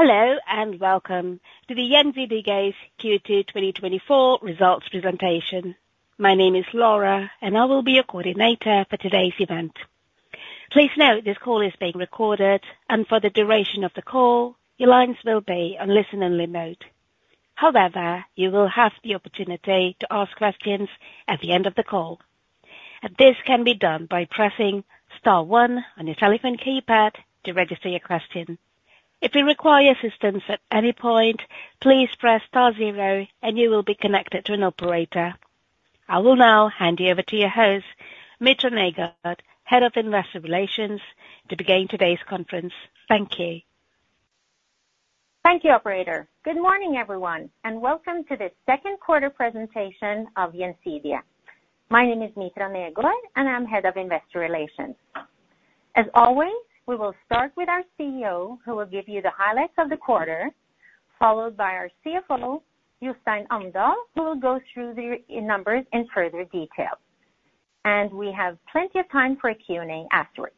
Hello, and welcome to the Gjensidige's Q2 2024 results presentation. My name is Laura, and I will be your coordinator for today's event. Please note, this call is being recorded, and for the duration of the call, your lines will be on listen-only mode. However, you will have the opportunity to ask questions at the end of the call, and this can be done by pressing star one on your telephone keypad to register your question. If you require assistance at any point, please press star zero, and you will be connected to an operator. I will now hand you over to your host, Mitra Hagen Negård, Head of Investor Relations, to begin today's conference. Thank you. Thank you, operator. Good morning, everyone, and welcome to the second quarter presentation of Gjensidige. My name is Mitra Negård, and I'm head of Investor Relations. As always, we will start with our CEO, who will give you the highlights of the quarter, followed by our CFO, Jostein Amdal, who will go through the numbers in further detail. We have plenty of time for a Q&A afterwards.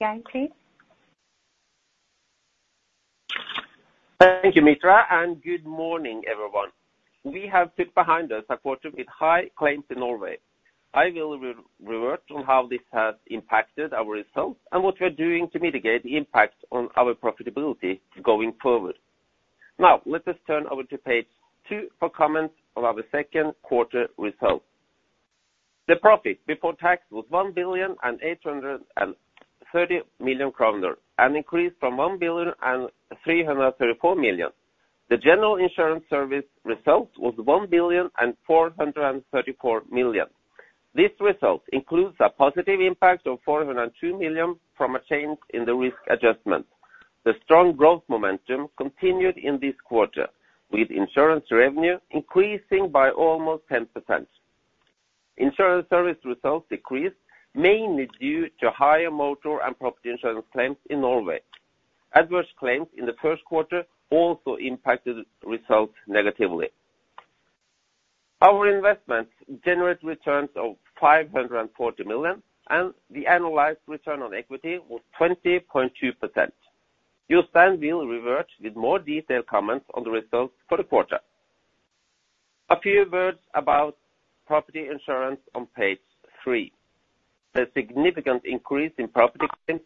Geir, please. Thank you, Mitra, and good morning, everyone. We have put behind us a quarter with high claims in Norway. I will revert on how this has impacted our results and what we are doing to mitigate the impact on our profitability going forward. Now, let us turn over to page 2 for comments about the second quarter results. The profit before tax was 1,830 million kroner, an increase from 1,334 million. The general insurance service result was 1,434 million. This result includes a positive impact of 402 million from a change in the risk adjustment. The strong growth momentum continued in this quarter, with insurance revenue increasing by almost 10%. Insurance service results decreased, mainly due to higher motor and property insurance claims in Norway. Adverse claims in the first quarter also impacted results negatively. Our investments generate returns of 540 million, and the analyzed return on equity was 20.2%. Jostein will revert with more detailed comments on the results for the quarter. A few words about property insurance on page three. The significant increase in property claims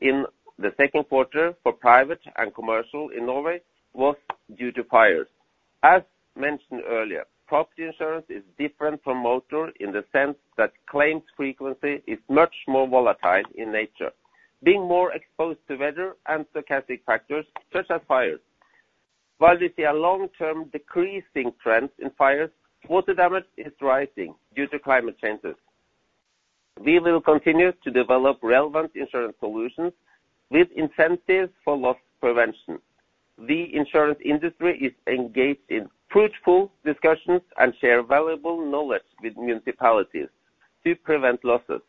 in the second quarter for private and commercial in Norway was due to fires. As mentioned earlier, property insurance is different from motor in the sense that claims frequency is much more volatile in nature, being more exposed to weather and stochastic factors, such as fires. While we see a long-term decreasing trend in fires, water damage is rising due to climate changes. We will continue to develop relevant insurance solutions with incentives for loss prevention. The insurance industry is engaged in fruitful discussions and share valuable knowledge with municipalities to prevent losses.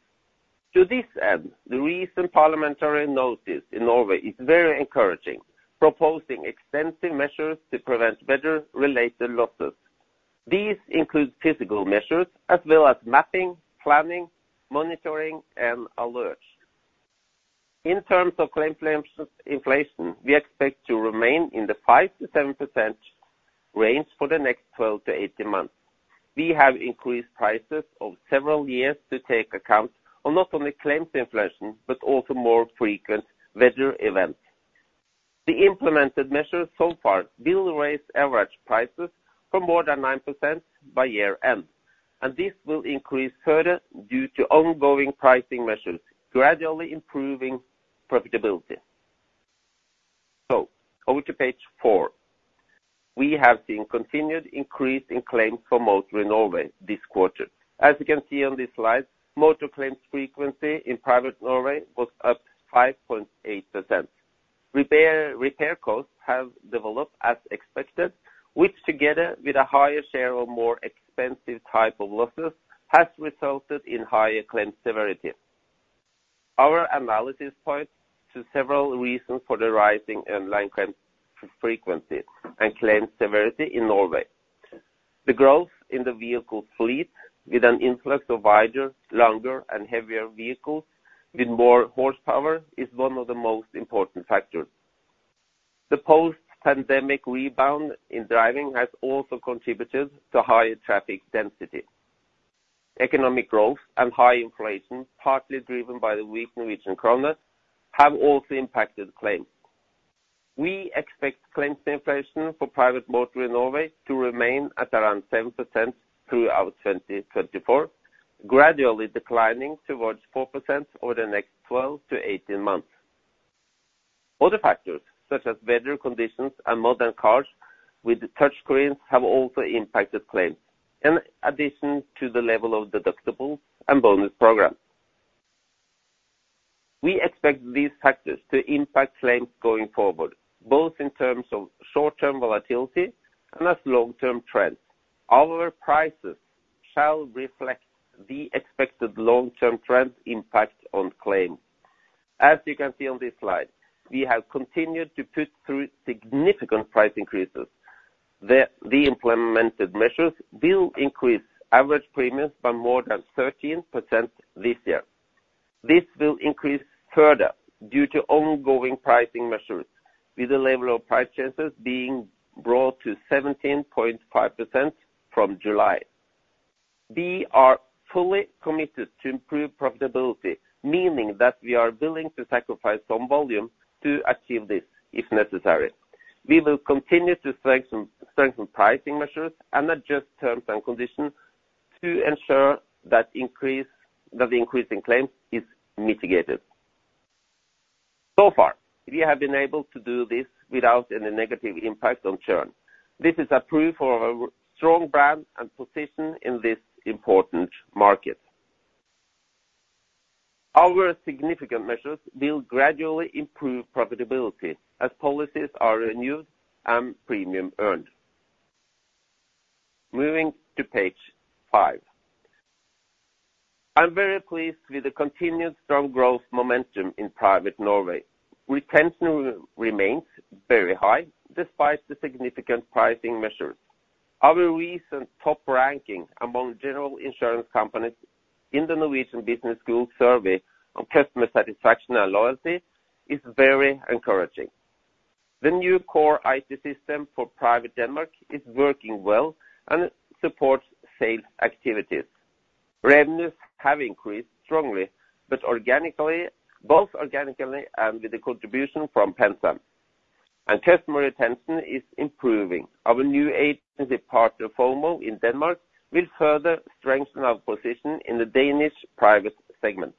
To this end, the recent parliamentary notice in Norway is very encouraging, proposing extensive measures to prevent weather-related losses. These include physical measures as well as mapping, planning, monitoring, and alerts. In terms of claims inflation, we expect to remain in the 5%-7% range for the next 12-18 months. We have increased prices over several years to take account of not only claims inflation, but also more frequent weather events. The implemented measures so far will raise average prices for more than 9% by year-end, and this will increase further due to ongoing pricing measures, gradually improving profitability. So over to page four. We have seen continued increase in claims for motor in Norway this quarter. As you can see on this slide, motor claims frequency in Private Norway was up 5.8%. Repair costs have developed as expected, which, together with a higher share of more expensive type of losses, has resulted in higher claim severity. Our analysis points to several reasons for the rising inline claim frequency and claim severity in Norway. The growth in the vehicle fleet, with an influx of wider, longer, and heavier vehicles with more horsepower, is one of the most important factors. The post-pandemic rebound in driving has also contributed to higher traffic density. Economic growth and high inflation, partly driven by the weak Norwegian kroner, have also impacted claims. We expect claims inflation for private motor in Norway to remain at around 7% throughout 2024, gradually declining towards 4% over the next 12-18 months. Other factors, such as weather conditions and modern cars with touch screens, have also impacted claims, in addition to the level of deductibles and bonus programs. We expect these factors to impact claims going forward, both in terms of short-term volatility and as long-term trends. Our prices shall reflect the expected long-term trend impact on claims. As you can see on this slide, we have continued to put through significant price increases. The implemented measures will increase average premiums by more than 13% this year. This will increase further due to ongoing pricing measures, with the level of price changes being brought to 17.5% from July. We are fully committed to improve profitability, meaning that we are willing to sacrifice some volume to achieve this, if necessary. We will continue to strengthen, strengthen pricing measures and adjust terms and conditions to ensure that increase, that the increase in claims is mitigated. So far, we have been able to do this without any negative impact on churn. This is a proof of our strong brand and position in this important market. Our significant measures will gradually improve profitability as policies are renewed and premium earned. Moving to page five. I'm very pleased with the continued strong growth momentum in Private Norway. Retention remains very high, despite the significant pricing measures. Our recent top ranking among general insurance companies in the Norwegian Business School survey on customer satisfaction and loyalty is very encouraging. The new core IT system for Private Denmark is working well and supports sales activities. Revenues have increased strongly, but organically, both organically and with the contribution from PenSam, and customer retention is improving. Our new agency partner, FOMO in Denmark, will further strengthen our position in the Danish private segment.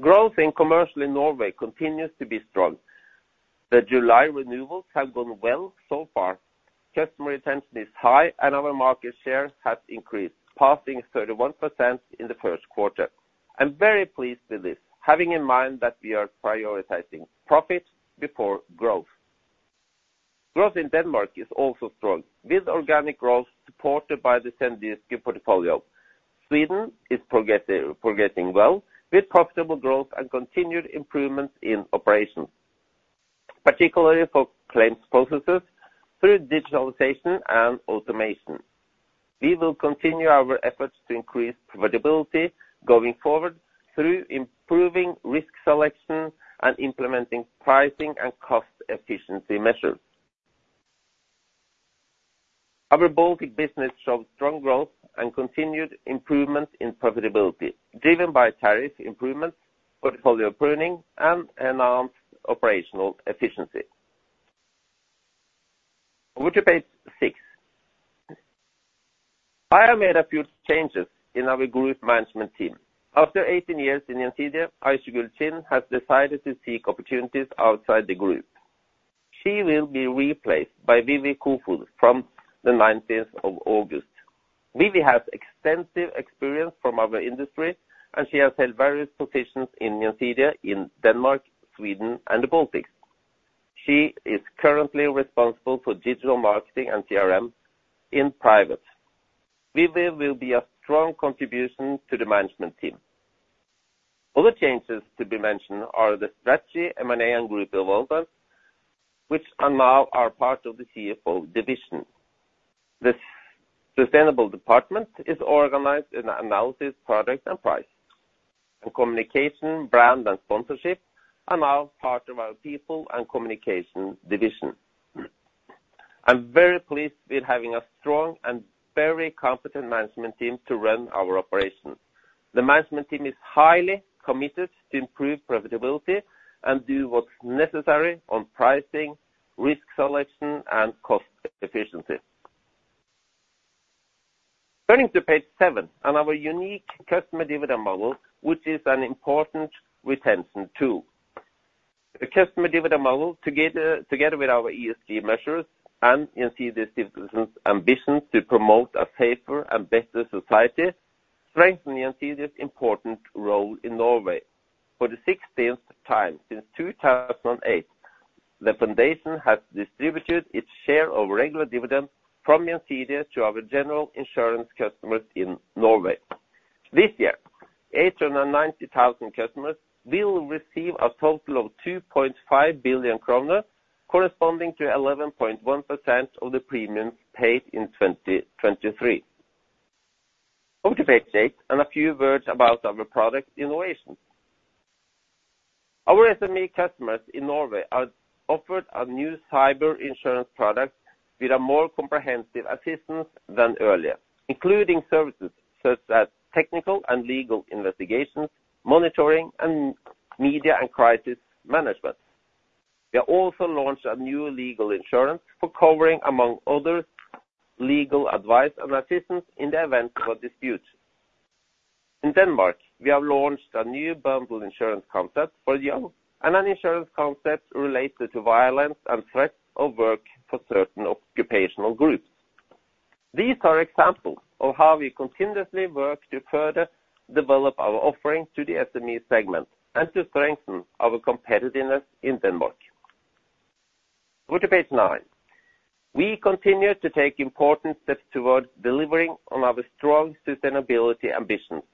Growth in commercial in Norway continues to be strong. The July renewals have gone well so far. Customer retention is high, and our market share has increased, passing 31% in the first quarter. I'm very pleased with this, having in mind that we are prioritizing profit before growth. Growth in Denmark is also strong, with organic growth supported by the Sønderjysk portfolio. Sweden is progressing well, with profitable growth and continued improvements in operations, particularly for claims processes through digitalization and automation. We will continue our efforts to increase profitability going forward through improving risk selection and implementing pricing and cost efficiency measures. Our Baltic business showed strong growth and continued improvement in profitability, driven by tariff improvements, portfolio pruning, and enhanced operational efficiency. Over to page six. I have made a few changes in our group management team. After 18 years in Gjensidige, Aysegül Cin has decided to seek opportunities outside the group. She will be replaced by Vivi Kofod from the nineteenth of August. Vivi has extensive experience from our industry, and she has held various positions in Gjensidige, in Denmark, Sweden, and the Baltics. She is currently responsible for digital marketing and CRM in Private. Vivi will be a strong contribution to the management team. Other changes to be mentioned are the strategy, M&A, and group development, which are now part of the CFO division. This sustainable department is organized in analysis, product, and price, and communication, brand, and sponsorship are now part of our people and communication division. I'm very pleased with having a strong and very competent management team to run our operation. The management team is highly committed to improve profitability and do what's necessary on pricing, risk selection, and cost efficiency. Turning to page 7 and our unique customer dividend model, which is an important retention tool. The customer dividend model, together with our ESG measures and Gjensidige's ambitions to promote a safer and better society, strengthen Gjensidige's important role in Norway. For the 16th time since 2008, the foundation has distributed its share of regular dividends from Gjensidige to our general insurance customers in Norway. This year, 890,000 customers will receive a total of 2.5 billion kroner, corresponding to 11.1% of the premiums paid in 2023. Over to page 8 and a few words about our product innovation. Our SME customers in Norway are offered a new cyber insurance product with a more comprehensive assistance than earlier, including services such as technical and legal investigations, monitoring, and media and crisis management. We have also launched a new legal insurance for covering, among other, legal advice and assistance in the event of a dispute. In Denmark, we have launched a new bundle insurance concept for the young, and an insurance concept related to violence and threats of work for certain occupational groups. These are examples of how we continuously work to further develop our offerings to the SME segment and to strengthen our competitiveness in Denmark. Over to page nine. We continue to take important steps towards delivering on our strong sustainability ambitions...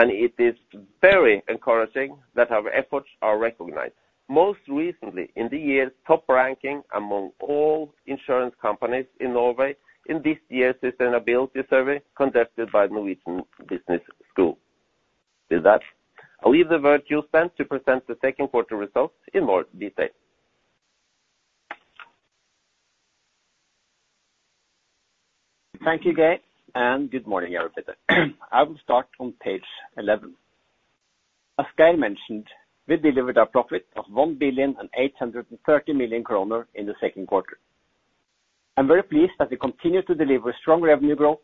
and it is very encouraging that our efforts are recognized. Most recently, in the year's top ranking among all insurance companies in Norway in this year's sustainability survey conducted by Norwegian Business School. With that, I'll leave the virtual stand to present the second quarter results in more detail. Thank you, Geir, and good morning, everybody. I will start on page 11. As Geir mentioned, we delivered a profit of 1,830 million kroner in the second quarter. I'm very pleased that we continue to deliver strong revenue growth.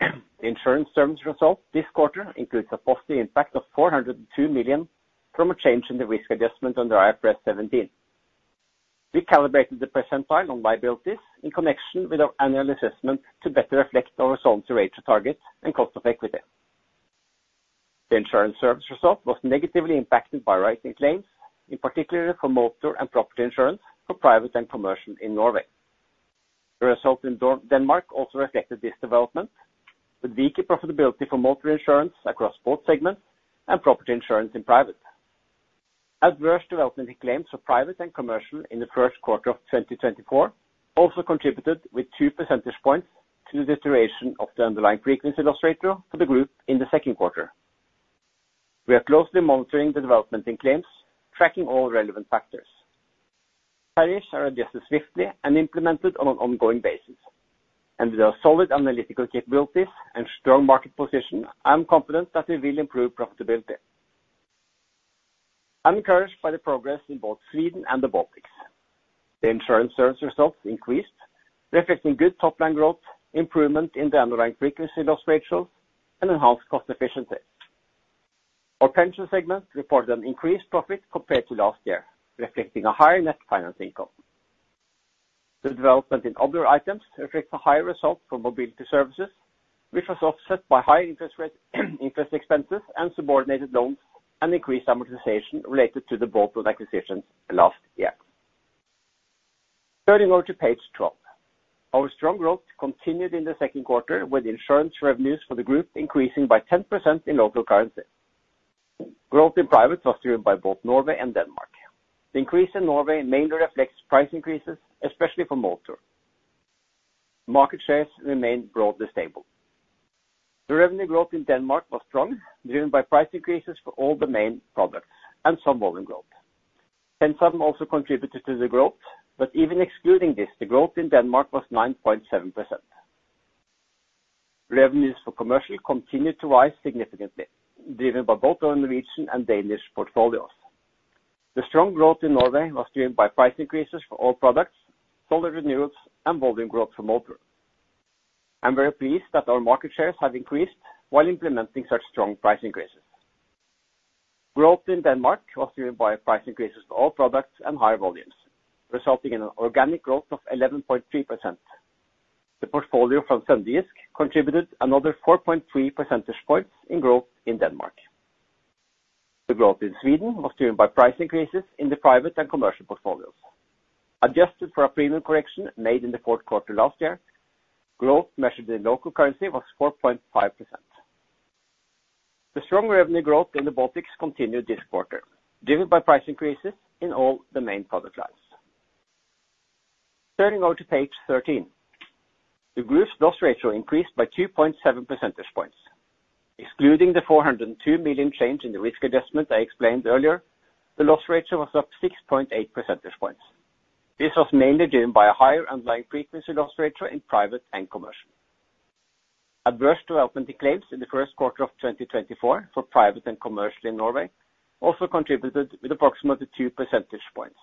The insurance service result this quarter includes a positive impact of 402 million from a change in the risk adjustment under IFRS 17. We calibrated the percentile on liabilities in connection with our annual assessment to better reflect our loss ratio target and cost of equity. The insurance service result was negatively impacted by rising claims, in particular for motor insurance and property insurance for private and commercial in Norway. The result in Denmark also reflected this development, with weaker profitability for motor insurance across both segments and property insurance in private. Adverse development in claims for private and commercial in the first quarter of 2024 also contributed with 2 percentage points to the deterioration of the underlying frequency loss ratio for the group in the second quarter. We are closely monitoring the development in claims, tracking all relevant factors. Prices are adjusted swiftly and implemented on an ongoing basis, and with our solid analytical capabilities and strong market position, I am confident that we will improve profitability. I'm encouraged by the progress in both Sweden and the Baltics. The insurance service results increased, reflecting good top-line growth, improvement in the underlying frequency loss ratio, and enhanced cost efficiency. Our pension segment reported an increased profit compared to last year, reflecting a higher net finance income. The development in other items reflects a higher result for mobility services, which was offset by higher interest rates, interest expenses, and subordinated loans, and increased amortization related to the Falck acquisitions last year. Turning over to page 12. Our strong growth continued in the second quarter, with insurance revenues for the group increasing by 10% in local currency. Growth in private was driven by both Norway and Denmark. The increase in Norway mainly reflects price increases, especially for motor. Market shares remained broadly stable. The revenue growth in Denmark was strong, driven by price increases for all the main products and some volume growth. PenSam also contributed to the growth, but even excluding this, the growth in Denmark was 9.7%. Revenues for commercial continued to rise significantly, driven by both our Norwegian and Danish portfolios. The strong growth in Norway was driven by price increases for all products, solid renewals, and volume growth for motor. I'm very pleased that our market shares have increased while implementing such strong price increases. Growth in Denmark was driven by price increases for all products and higher volumes, resulting in an organic growth of 11.3%. The portfolio from Sønderjysk Forsikring contributed another 4.3 percentage points in growth in Denmark. The growth in Sweden was driven by price increases in the private and commercial portfolios. Adjusted for a premium correction made in the fourth quarter last year, growth measured in local currency was 4.5%. The strong revenue growth in the Baltics continued this quarter, driven by price increases in all the main product lines. Turning over to page 13. The group's loss ratio increased by 2.7 percentage points. Excluding the 402 million change in the risk adjustment I explained earlier, the loss ratio was up 6.8 percentage points. This was mainly driven by a higher underlying frequency loss ratio in private and commercial. Adverse development in claims in the first quarter of 2024 for private and commercial in Norway also contributed with approximately 2 percentage points.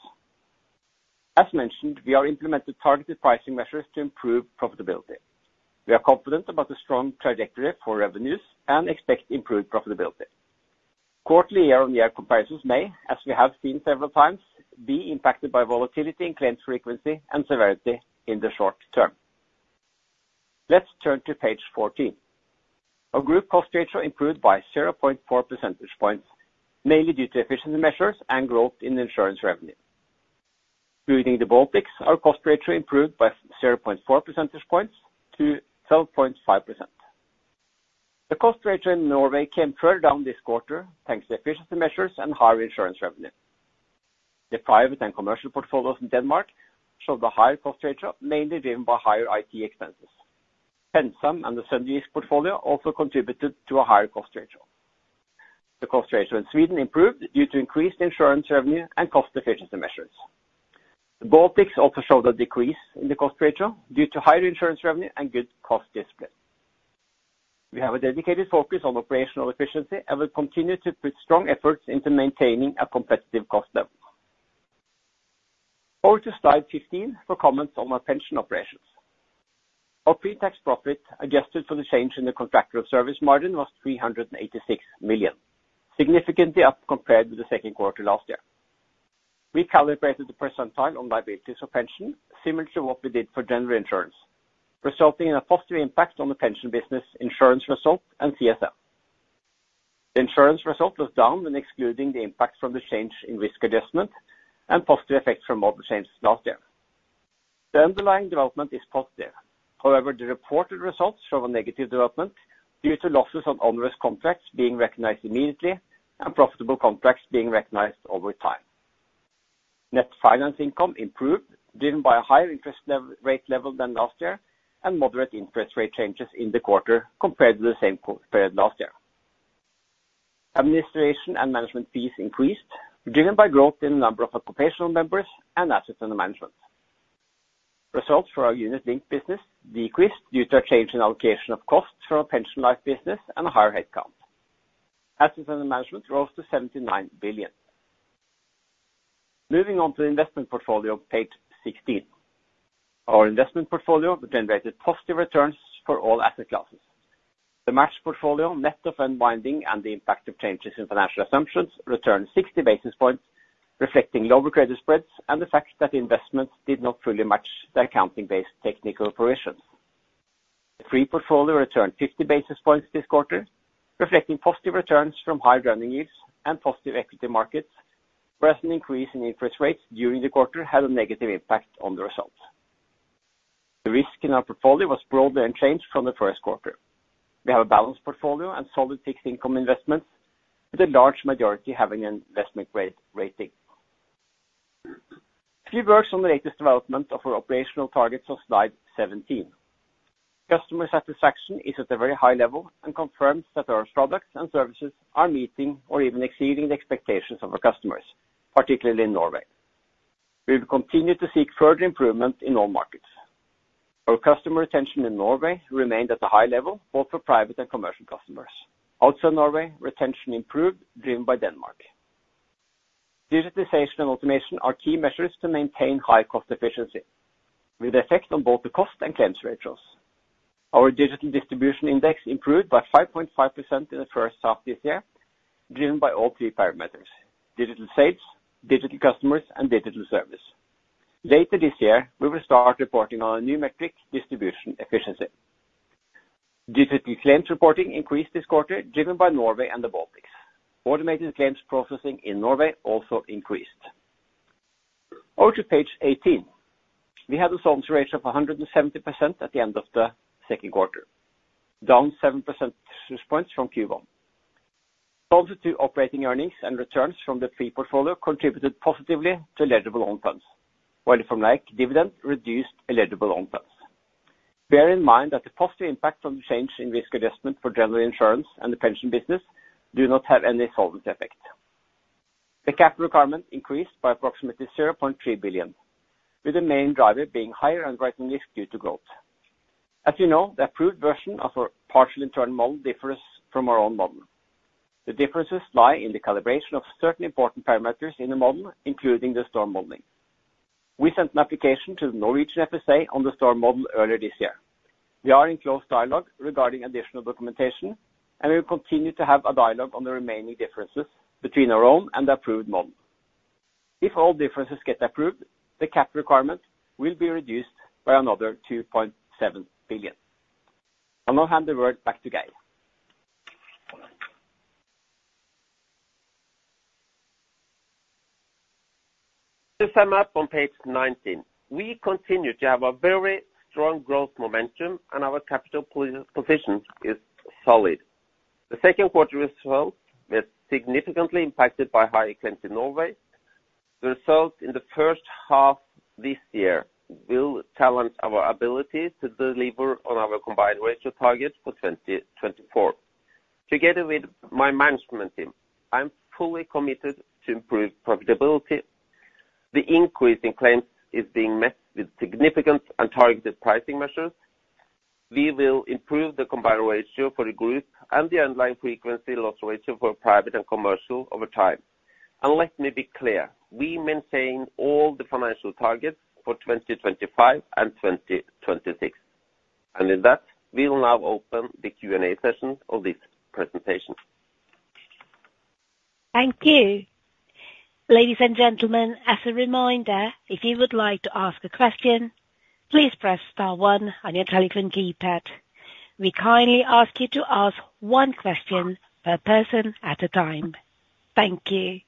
As mentioned, we are implementing targeted pricing measures to improve profitability. We are confident about the strong trajectory for revenues and expect improved profitability. Quarterly year-on-year comparisons may, as we have seen several times, be impacted by volatility in claims frequency and severity in the short term. Let's turn to page 14. Our group cost ratio improved by 0.4 percentage points, mainly due to efficiency measures and growth in insurance revenue. Including the Baltics, our cost ratio improved by 0.4 percentage points to 12.5%. The cost ratio in Norway came further down this quarter, thanks to efficiency measures and higher insurance revenue. The private and commercial portfolios in Denmark showed a higher cost ratio, mainly driven by higher IT expenses. PenSam and the Sønderjysk Forsikring portfolio also contributed to a higher cost ratio. The cost ratio in Sweden improved due to increased insurance revenue and cost efficiency measures. The Baltics also showed a decrease in the cost ratio due to higher insurance revenue and good cost discipline. We have a dedicated focus on operational efficiency and will continue to put strong efforts into maintaining a competitive cost level. Over to slide 15 for comments on our pension operations. Our pre-tax profit, adjusted for the change in the contractual service margin, was 386 million, significantly up compared with the second quarter last year. We calibrated the percentile on liabilities for pension, similar to what we did for general insurance, resulting in a positive impact on the pension business, insurance result and CSM. The insurance result was down when excluding the impact from the change in risk adjustment and positive effects from model changes last year. The underlying development is positive. However, the reported results show a negative development due to losses on onerous contracts being recognized immediately and profitable contracts being recognized over time. Net finance income improved, driven by a higher interest level, rate level than last year, and moderate interest rate changes in the quarter compared to the same period last year. Administration and management fees increased, driven by growth in the number of occupational members and assets under management. Results for our unit-linked business decreased due to a change in allocation of costs from our pension life business and a higher headcount. Assets under management rose to 79 billion. Moving on to the investment portfolio, page 16. Our investment portfolio generated positive returns for all asset classes. The match portfolio, net of unwinding and the impact of changes in financial assumptions, returned 60 basis points, reflecting lower credit spreads and the fact that the investments did not fully match the accounting-based technical provisions. The free portfolio returned 50 basis points this quarter, reflecting positive returns from higher running yields and positive equity markets, whereas an increase in interest rates during the quarter had a negative impact on the results. The risk in our portfolio was broadly unchanged from the first quarter. We have a balanced portfolio and solid fixed income investments, with a large majority having an investment grade rating. A few words on the latest development of our operational targets on slide 17. Customer satisfaction is at a very high level and confirms that our products and services are meeting or even exceeding the expectations of our customers, particularly in Norway. We will continue to seek further improvement in all markets. Our customer retention in Norway remained at a high level, both for private and commercial customers. Outside Norway, retention improved, driven by Denmark. Digitalization and automation are key measures to maintain high cost efficiency, with effect on both the cost and claims ratios. Our digital distribution index improved by 5.5% in the first half this year, driven by all three parameters: digital sales, digital customers, and digital service. Later this year, we will start reporting on a new metric, distribution efficiency. Digital claims reporting increased this quarter, driven by Norway and the Baltics. Automated claims processing in Norway also increased. Over to page 18. We had a solvency ratio of 170% at the end of the second quarter, down seven percentage points from Q1. Solvency operating earnings and returns from the free portfolio contributed positively to eligible own funds, while the final dividend reduced eligible own funds. Bear in mind that the positive impact on the change in risk adjustment for general insurance and the pension business do not have any solvency effect. The capital requirement increased by approximately 0.3 billion, with the main driver being higher underwriting risk due to growth. As you know, the approved version of our partially internal model differs from our own model. The differences lie in the calibration of certain important parameters in the model, including the storm modeling. We sent an application to the Norwegian FSA on the storm model earlier this year. We are in close dialogue regarding additional documentation, and we will continue to have a dialogue on the remaining differences between our own and the approved model. If all differences get approved, the cap requirement will be reduced by another 2.7 billion. I'll now hand the word back to Geir. To sum up on page 19, we continue to have a very strong growth momentum, and our capital position is solid. The second quarter result was significantly impacted by high claims in Norway. The result in the first half this year will challenge our ability to deliver on our combined ratio target for 2024. Together with my management team, I'm fully committed to improve profitability. The increase in claims is being met with significant and targeted pricing measures. We will improve the combined ratio for the group and the underlying frequency loss ratio for private and commercial over time. And let me be clear, we maintain all the financial targets for 2025 and 2026. And with that, we will now open the Q&A session of this presentation. Thank you. Ladies and gentlemen, as a reminder, if you would like to ask a question, please press star one on your telephone keypad. We kindly ask you to ask one question per person at a time. Thank you.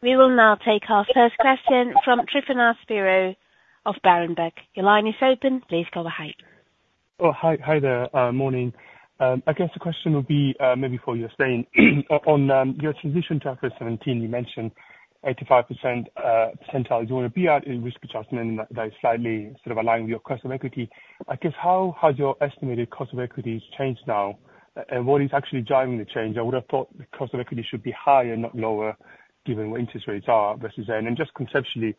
We will now take our first question from Tryfonas Spyrou of Berenberg. Your line is open, please go ahead. Oh, hi. Hi there, morning. I guess the question would be, maybe for you, Jostein. On your transition to IFRS 17, you mentioned 85th percentile you want to be at in risk adjustment, and that is slightly sort of aligned with your cost of equity. I guess, how has your estimated cost of equity changed now, and what is actually driving the change? I would have thought the cost of equity should be higher, not lower, given where interest rates are versus then. And just conceptually,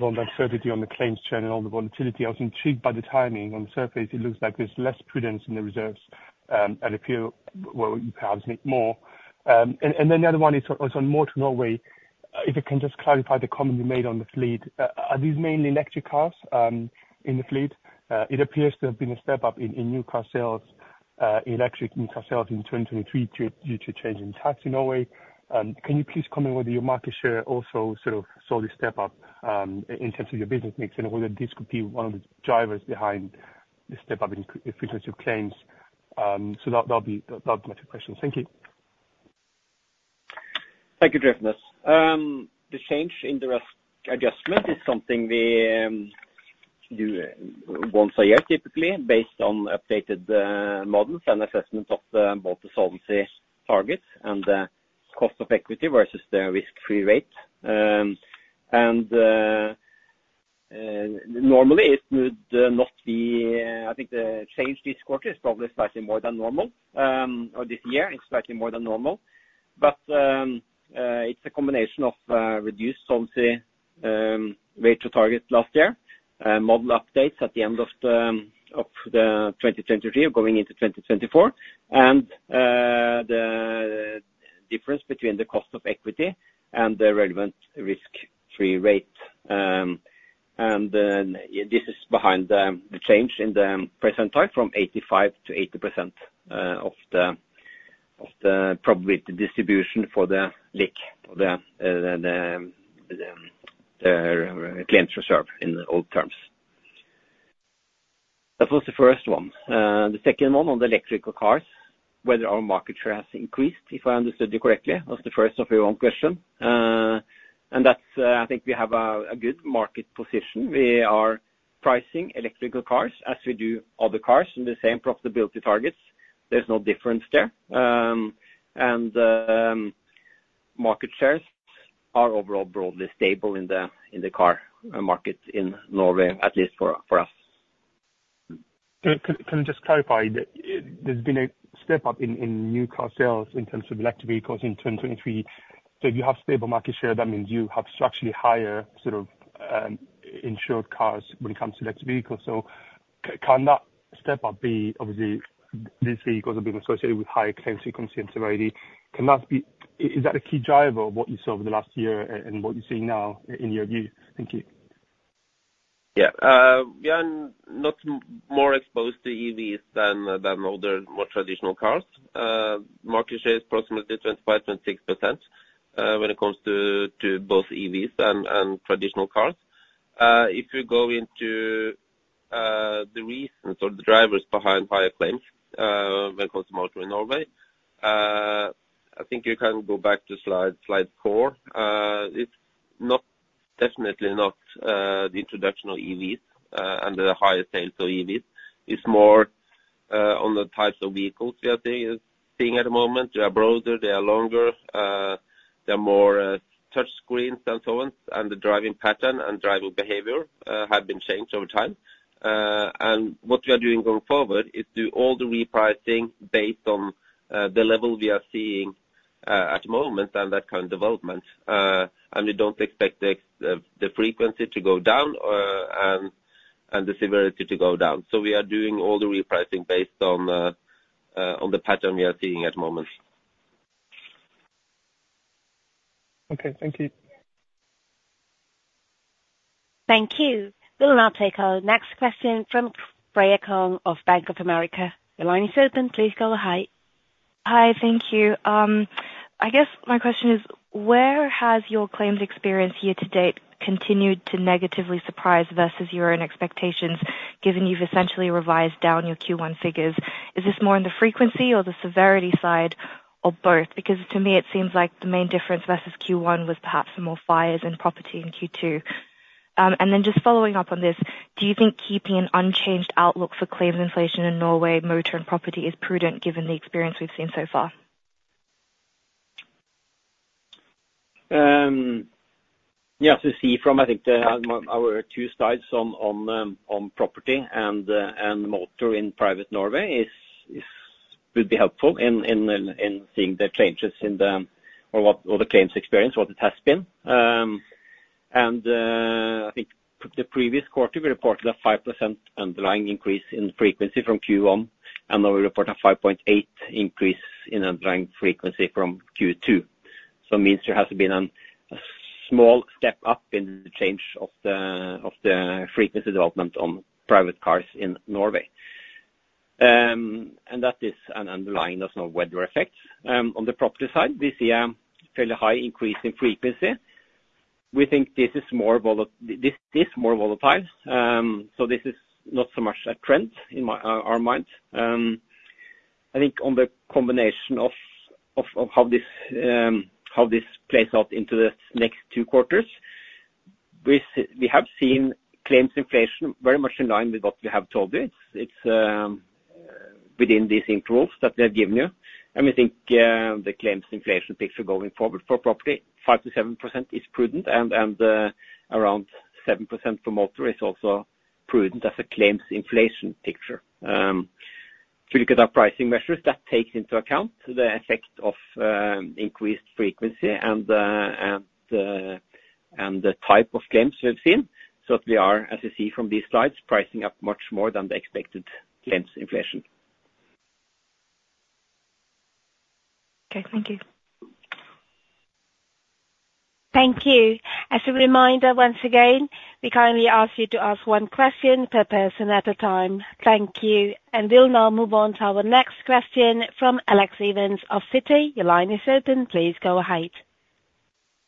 on the adjustment on the claims chain and all the volatility, I was intrigued by the timing. On the surface, it looks like there's less prudence in the reserves, and a few, well, you perhaps make more. And then the other one is on motor in Norway. If you can just clarify the comment you made on the fleet. Are these mainly electric cars in the fleet? It appears to have been a step up in new car sales, electric new car sales in 2023 due to change in tax in Norway. Can you please comment whether your market share also sort of saw the step up in terms of your business mix, and whether this could be one of the drivers behind the step up in frequency of claims? That's my two questions. Thank you. Thank you, Jostein. The change in the risk adjustment is something we do once a year, typically, based on updated models and assessment of both the solvency targets and the cost of equity versus the risk-free rate. Normally it would not be. I think the change this quarter is probably slightly more than normal, or this year is slightly more than normal. It's a combination of reduced solvency rate to target last year, model updates at the end of 2023 going into 2024, and the difference between the cost of equity and the relevant risk-free rate. And then, this is behind the change in the confidence level, from 85% to 80% of the probability distribution for the tail, the claims reserve in old terms. That was the first one. The second one on the electrical cars, whether our market share has increased, if I understood you correctly, was the first part of your question. And that's, I think we have a good market position. We are pricing electrical cars as we do other cars in the same profitability targets. There's no difference there. And market shares are overall broadly stable in the car markets in Norway, at least for us. Can you just clarify? There's been a step up in new car sales in terms of electric vehicles in 2023. So if you have stable market share, that means you have structurally higher, sort of, insured cars when it comes to electric vehicles. So can that step up be, obviously, these vehicles have been associated with higher claims frequency and severity. Can that be... Is that a key driver of what you saw over the last year and what you're seeing now in your view? Thank you. Yeah. We are not more exposed to EVs than other more traditional cars. Market share is approximately 25.6% when it comes to both EVs and traditional cars. If you go into the reasons or the drivers behind higher claims when it comes to motor in Norway, I think you can go back to slide four. It's not definitely not the introduction of EVs and the higher sales of EVs. It's more on the types of vehicles we are seeing at the moment. They are broader, they are longer, they're more touch screens and so on, and the driving pattern and driving behavior have been changed over time. And what we are doing going forward is do all the repricing based on the level we are seeing at the moment and that kind of development. And we don't expect the frequency to go down and the severity to go down. So we are doing all the repricing based on the pattern we are seeing at the moment. Okay, thank you. Thank you. We'll now take our next question from Freya Kong of Bank of America. Your line is open, please go ahead. Hi, thank you. I guess my question is, where has your claims experience year to date continued to negatively surprise versus your own expectations, given you've essentially revised down your Q1 figures? Is this more on the frequency or the severity side, or both? Because to me, it seems like the main difference versus Q1 was perhaps the more fires and property in Q2. And then just following up on this, do you think keeping an unchanged outlook for claims inflation in Norway, motor, and property is prudent given the experience we've seen so far? Yes, you see from, I think, our two slides on property and motor in Private Norway would be helpful in seeing the changes in the, or what, or the claims experience, what it has been. And, I think the previous quarter, we reported a 5% underlying increase in frequency from Q1, and now we report a 5.8 increase in underlying frequency from Q2. So it means there has been a small step up in the change of the frequency development on private cars in Norway. And that is an underlying, there's no weather effect. On the Property side, we see a fairly high increase in frequency. We think this is more volatile, so this is not so much a trend in our minds. I think on the combination of how this plays out into the next two quarters, we have seen claims inflation very much in line with what we have told you. It's within these improved that we have given you, and we think the claims inflation picture going forward for property, 5%-7% is prudent, and around 7% for motor is also prudent as a claims inflation picture. If you look at our pricing measures, that takes into account the effect of increased frequency and the type of claims we've seen. We are, as you see from these slides, pricing up much more than the expected claims inflation. Okay, thank you. Thank you. As a reminder, once again, we kindly ask you to ask one question per person at a time. Thank you, and we'll now move on to our next question from Alex Evans of Citi. Your line is open, please go ahead....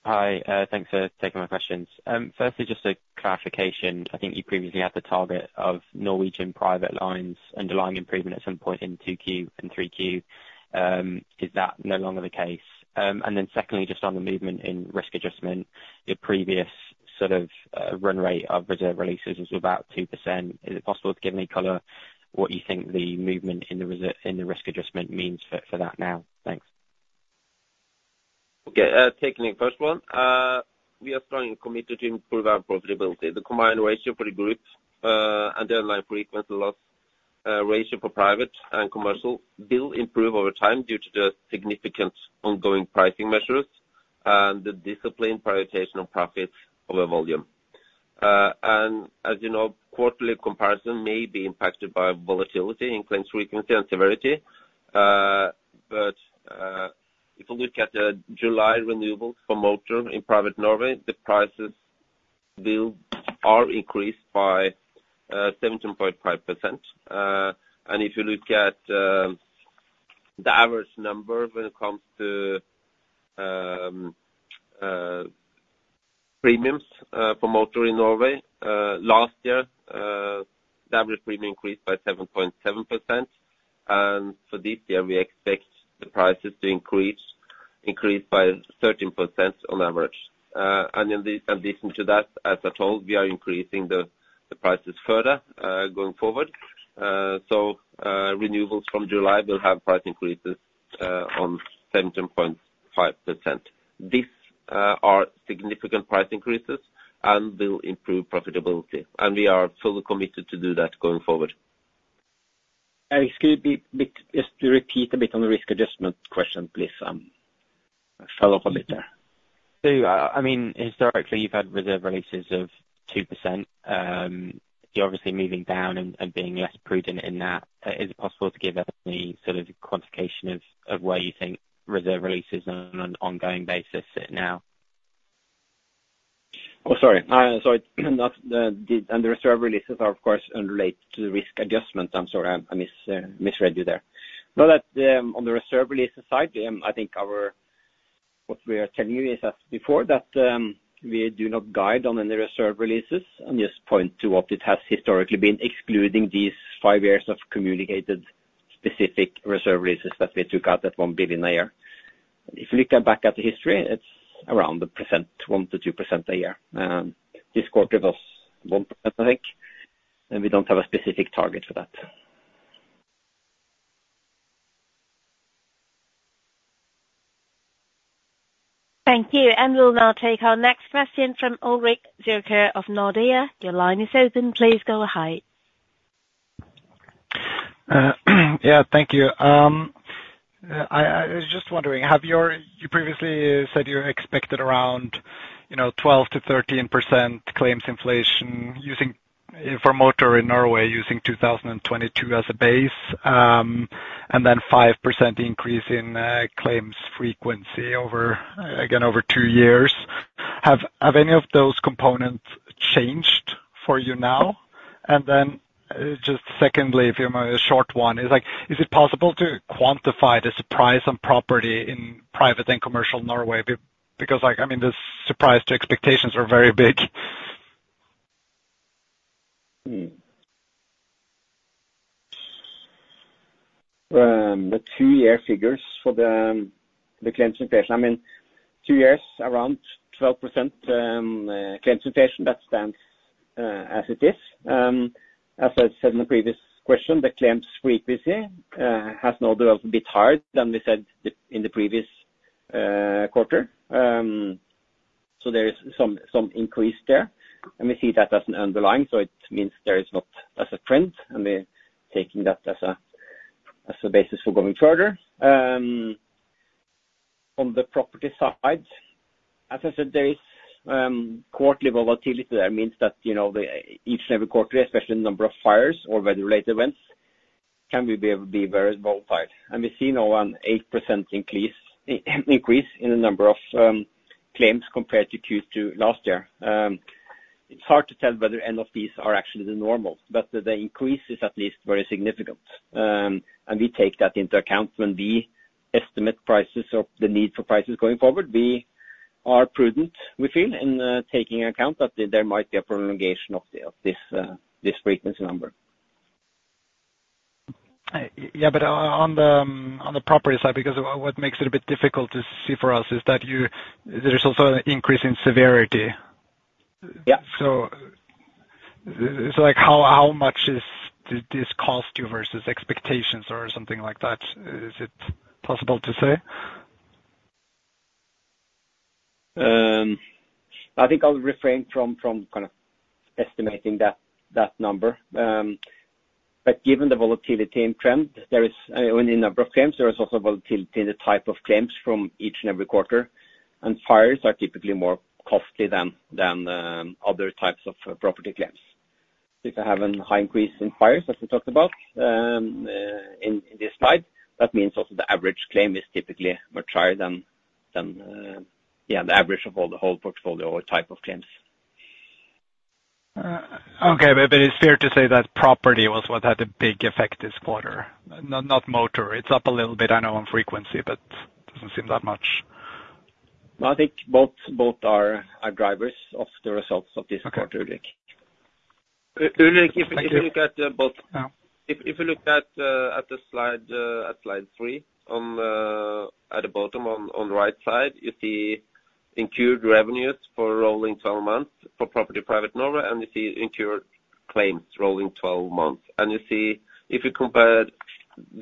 Hi, thanks for taking my questions. Firstly, just a clarification. I think you previously had the target of Norwegian private lines underlying improvement at some point in 2Q and 3Q. Is that no longer the case? And then secondly, just on the movement in risk adjustment, your previous sort of, run rate of reserve releases was about 2%. Is it possible to give any color what you think the movement in the risk adjustment means for, for that now? Thanks. Okay, taking the first one. We are strong and committed to improve our profitability. The combined ratio for the group, underlying frequency loss ratio for private and commercial will improve over time due to the significant ongoing pricing measures, and the disciplined prioritization of profits over volume. And as you know, quarterly comparison may be impacted by volatility in claims frequency and severity. But if you look at the July renewals for motor in private Norway, the prices billed are increased by 17.5%. And if you look at the average number when it comes to premiums for motor in Norway, last year, the average premium increased by 7.7%. And for this year, we expect the prices to increase by 13% on average. In addition to that, as I told, we are increasing the prices further, going forward. So, renewals from July will have price increases on 17.5%. These are significant price increases and will improve profitability, and we are fully committed to do that going forward. Excuse me, just to repeat a bit on the risk adjustment question, please. Follow up a bit there. So, I mean, historically, you've had reserve releases of 2%. You're obviously moving down and being less prudent in that. Is it possible to give us any sort of quantification of where you think reserve releases on an ongoing basis sit now? Oh, sorry. Sorry, that's the and the reserve releases are of course related to the risk adjustment. I'm sorry, I misread you there. Now, that, on the reserve release side, I think what we are telling you is as before, that we do not guide on any reserve releases, and just point to what it has historically been, excluding these five years of communicated specific reserve releases that we took out, that 1 billion a year. If you look back at the history, it's around 1%, 1%-2% a year. This quarter was 1%, I think, and we don't have a specific target for that. Thank you. We'll now take our next question from Ulrik Zürcher of Nordea. Your line is open. Please go ahead. Yeah, thank you. I was just wondering, have your... You previously said you expected around, you know, 12%-13% claims inflation using, for motor in Norway, using 2022 as a base, and then 5% increase in claims frequency over, again, over two years. Have any of those components changed for you now? And then just secondly, if you might, a short one, is like, is it possible to quantify the surprise on property in private and commercial Norway? Because, like, I mean, the surprise to expectations are very big. The two-year figures for the claims inflation, I mean, two years, around 12%, claims inflation, that stands as it is. As I said in the previous question, the claims frequency has now developed a bit higher than we said in the previous quarter. So there is some increase there, and we see that as an underlying, so it means there is not as a trend, and we're taking that as a basis for going further. On the property side, as I said, there is quarterly volatility. That means that, you know, each and every quarter, especially the number of fires or weather-related events, can be very volatile. And we've seen around 8% increase in the number of claims compared to Q2 last year. It's hard to tell whether any of these are actually the normal, but the increase is at least very significant. We take that into account when we estimate prices or the need for prices going forward. We are prudent, we feel, in taking account that there might be a prolongation of this frequency number. Yeah, but on the property side, because what makes it a bit difficult to see for us is that there is also an increase in severity. Yeah. So, like, how much did this cost you versus expectations or something like that? Is it possible to say? I think I'll refrain from kind of estimating that number. But given the volatility in trend, there is in the number of claims, there is also volatility in the type of claims from each and every quarter. And fires are typically more costly than other types of property claims. If you have a high increase in fires, as we talked about, in this slide, that means also the average claim is typically much higher than yeah, the average of all the whole portfolio or type of claims.... Okay, but, but it's fair to say that property was what had the big effect this quarter, not, not motor. It's up a little bit, I know, on frequency, but doesn't seem that much. I think both are drivers of the results of this quarter, Ulrik. Okay. Ulrik, if you look at the both- Yeah. If you look at the slide, at slide three, at the bottom, on the right side, you see incurred revenues for rolling twelve months for property private normal, and you see incurred claims, rolling twelve months. And you see, if you compare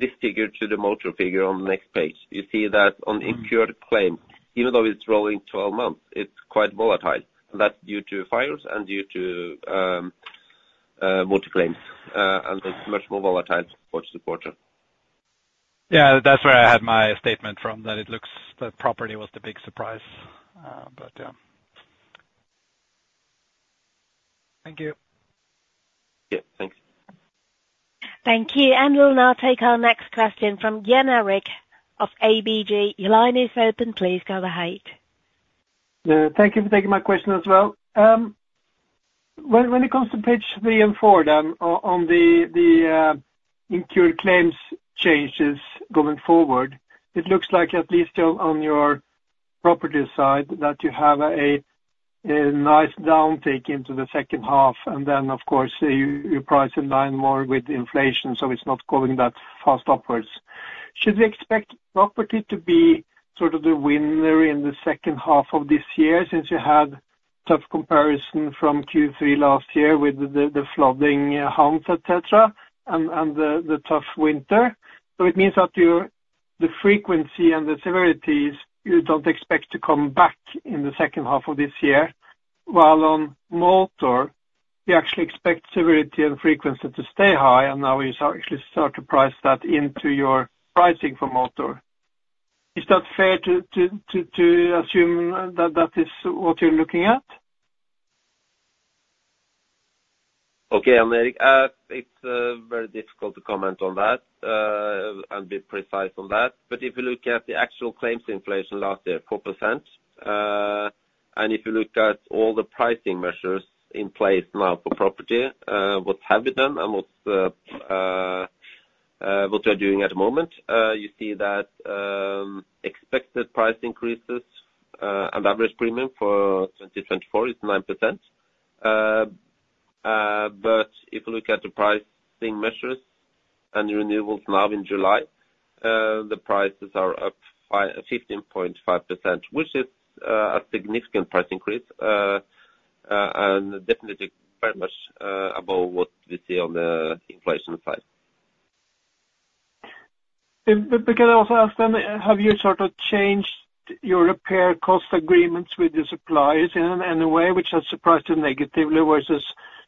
this figure to the motor figure on the next page, you see that on incurred- Mm. -claim, even though it's rolling twelve months, it's quite volatile. That's due to fires and due to motor claims, and it's much more volatile quarter to quarter. Yeah, that's where I had my statement from, that it looks the property was the big surprise. But, yeah. Thank you. Yeah, thanks. Thank you, and we'll now take our next question from Jan Erik of ABG. Your line is open. Please go ahead. Thank you for taking my question as well. When, when it comes to page 3 and 4, on, on the, the, incurred claims changes going forward, it looks like at least on, on your property side, that you have a, a nice downtake into the second half, and then, of course, you, you price in line more with inflation, so it's not going that fast upwards. Should we expect property to be sort of the winner in the second half of this year, since you had tough comparison from Q3 last year with the, the flooding homes, et cetera, and, and the, the tough winter? So it means that your—the frequency and the severity, you don't expect to come back in the second half of this year, while on motor, you actually expect severity and frequency to stay high, and now you actually start to price that into your pricing for motor. Is that fair to assume that that is what you're looking at? Okay, Jan Erik, it's very difficult to comment on that and be precise on that. But if you look at the actual claims inflation last year, 4%, and if you look at all the pricing measures in place now for property, what have we done and what we are doing at the moment, you see that expected price increases and average premium for 2024 is 9%. But if you look at the pricing measures and the renewals now in July, the prices are up by 15.5%, which is a significant price increase and definitely very much above what we see on the inflation side. Can I also ask then, have you sort of changed your repair cost agreements with the suppliers in any way, which has surprised you negatively versus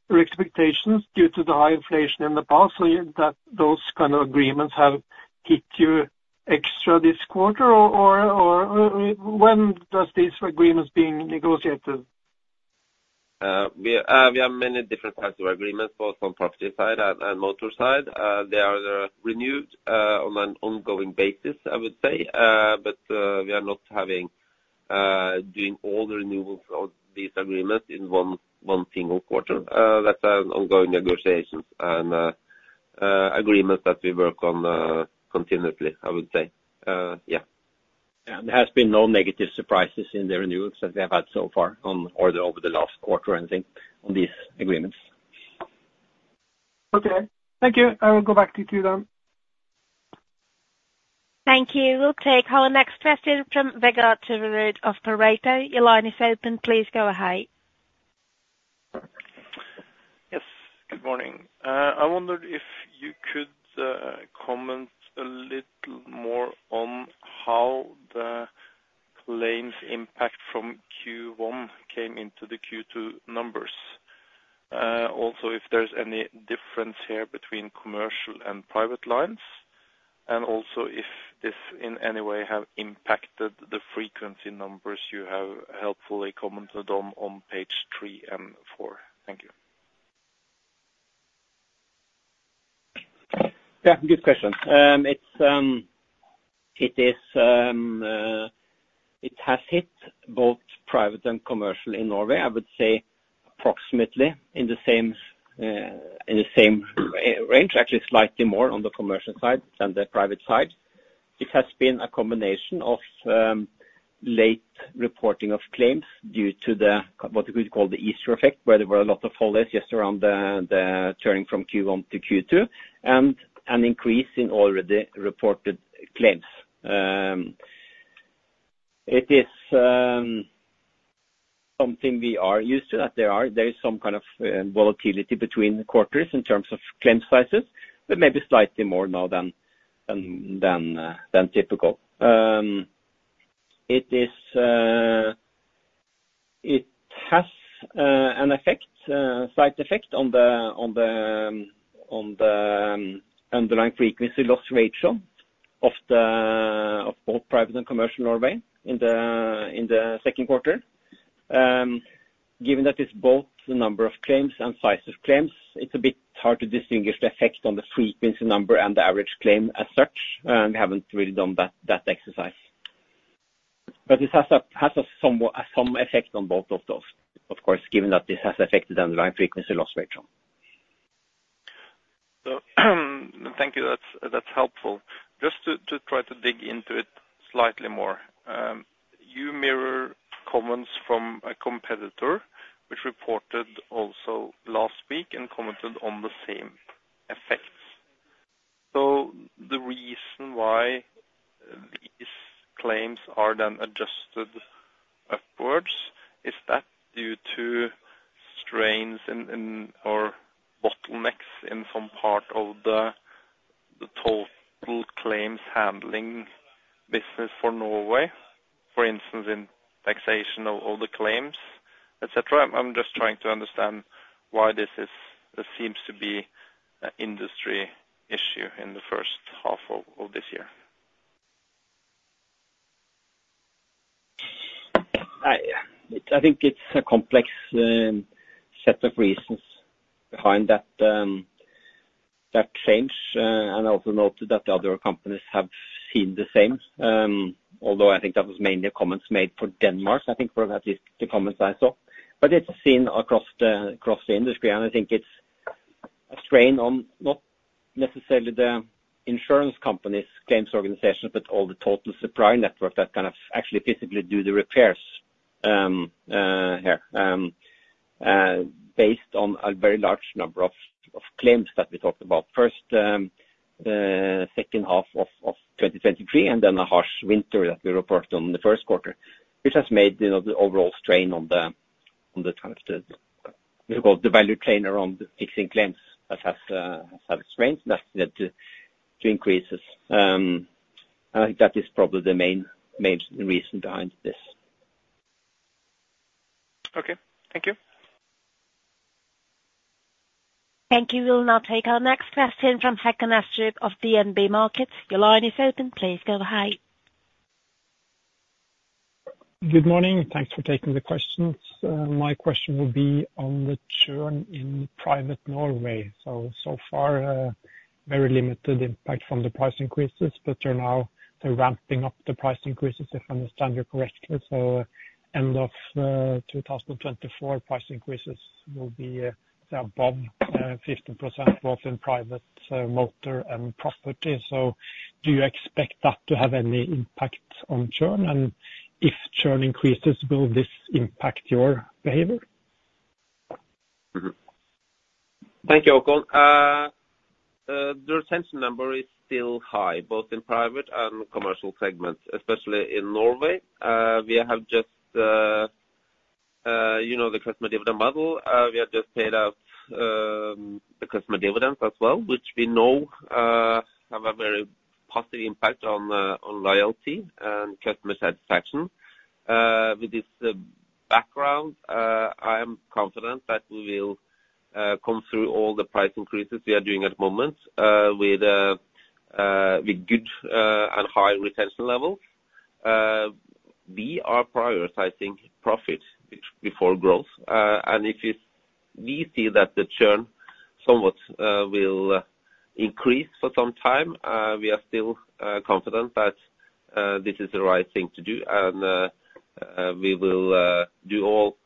your expectations due to the high inflation in the past, so that those kind of agreements have hit you extra this quarter? Or, when does these agreements being negotiated? We have many different types of agreements, both on the property side and the motor side. They are renewed on an ongoing basis, I would say, but we are not doing all the renewals of these agreements in one single quarter. That's an ongoing negotiations and agreement that we work on continuously, I would say. Yeah. There has been no negative surprises in the renewals that we have had so far on, or over the last quarter, I think, on these agreements. Okay. Thank you. I will go back to you then. Thank you. We'll take our next question from Vegard Toverud of Pareto Securities. Your line is open. Please go ahead. Yes, good morning. I wondered if you could comment a little more on how the claims impact from Q1 came into the Q2 numbers. Also, if there's any difference here between commercial and private lines, and also if this in any way have impacted the frequency numbers you have helpfully commented on, on page 3 and 4. Thank you. Yeah, good question. It has hit both private and commercial in Norway, I would say approximately in the same range, actually slightly more on the commercial side than the private side. It has been a combination of late reporting of claims due to the, what we would call the Easter effect, where there were a lot of holidays just around the turning from Q1 to Q2, and an increase in already reported claims. It is something we are used to, that there is some kind of volatility between quarters in terms of claim sizes, but maybe slightly more now than typical. It is... It has an effect, a slight effect on the underlying frequency loss ratio of both private and commercial Norway in the second quarter. Given that it's both the number of claims and size of claims, it's a bit hard to distinguish the effect on the frequency number and the average claim as such, and we haven't really done that exercise.... But this has a somewhat some effect on both of those, of course, given that this has affected the underlying frequency loss ratio. So thank you. That's, that's helpful. Just to try to dig into it slightly more. You mirror comments from a competitor which reported also last week and commented on the same effects. So the reason why these claims are then adjusted upwards, is that due to strains in or bottlenecks in some part of the total claims handling business for Norway? For instance, in estimation of all the claims, et cetera. I'm just trying to understand why this seems to be an industry issue in the first half of this year. I think it's a complex set of reasons behind that change. And I also noted that the other companies have seen the same, although I think that was mainly comments made for Denmark. I think from at least the comments I saw. But it's seen across the industry, and I think it's a strain on not necessarily the insurance companies' claims organizations, but all the total supply network that kind of actually physically do the repairs here. Based on a very large number of claims that we talked about. First, second half of 2023, and then a harsh winter that we reported on in the first quarter, which has made, you know, the overall strain on the kind of value chain we call around fixing claims that has strained that to increases. I think that is probably the main reason behind this. Okay, thank you. Thank you. We'll now take our next question from Håkon Astrup of DNB Markets. Your line is open, please go ahead. Good morning, and thanks for taking the questions. My question will be on the churn in private Norway. So, so far, very limited impact from the price increases, but you're now ramping up the price increases, if I understand you correctly. So end of 2024, price increases will be above 15%, both in private motor and property. So do you expect that to have any impact on churn? And if churn increases, will this impact your behavior? Mm-hmm. Thank you, Håkon. The retention number is still high, both in private and commercial segments, especially in Norway. We have just, you know, the customer dividend model. We have just paid out the customer dividends as well, which we know have a very positive impact on on loyalty and customer satisfaction. With this background, I am confident that we will come through all the price increases we are doing at the moment with good and high retention levels. We are prioritizing profit before growth. And if it's -- we see that the churn somewhat will increase for some time, we are still confident that this is the question right thing to do, and we will do all...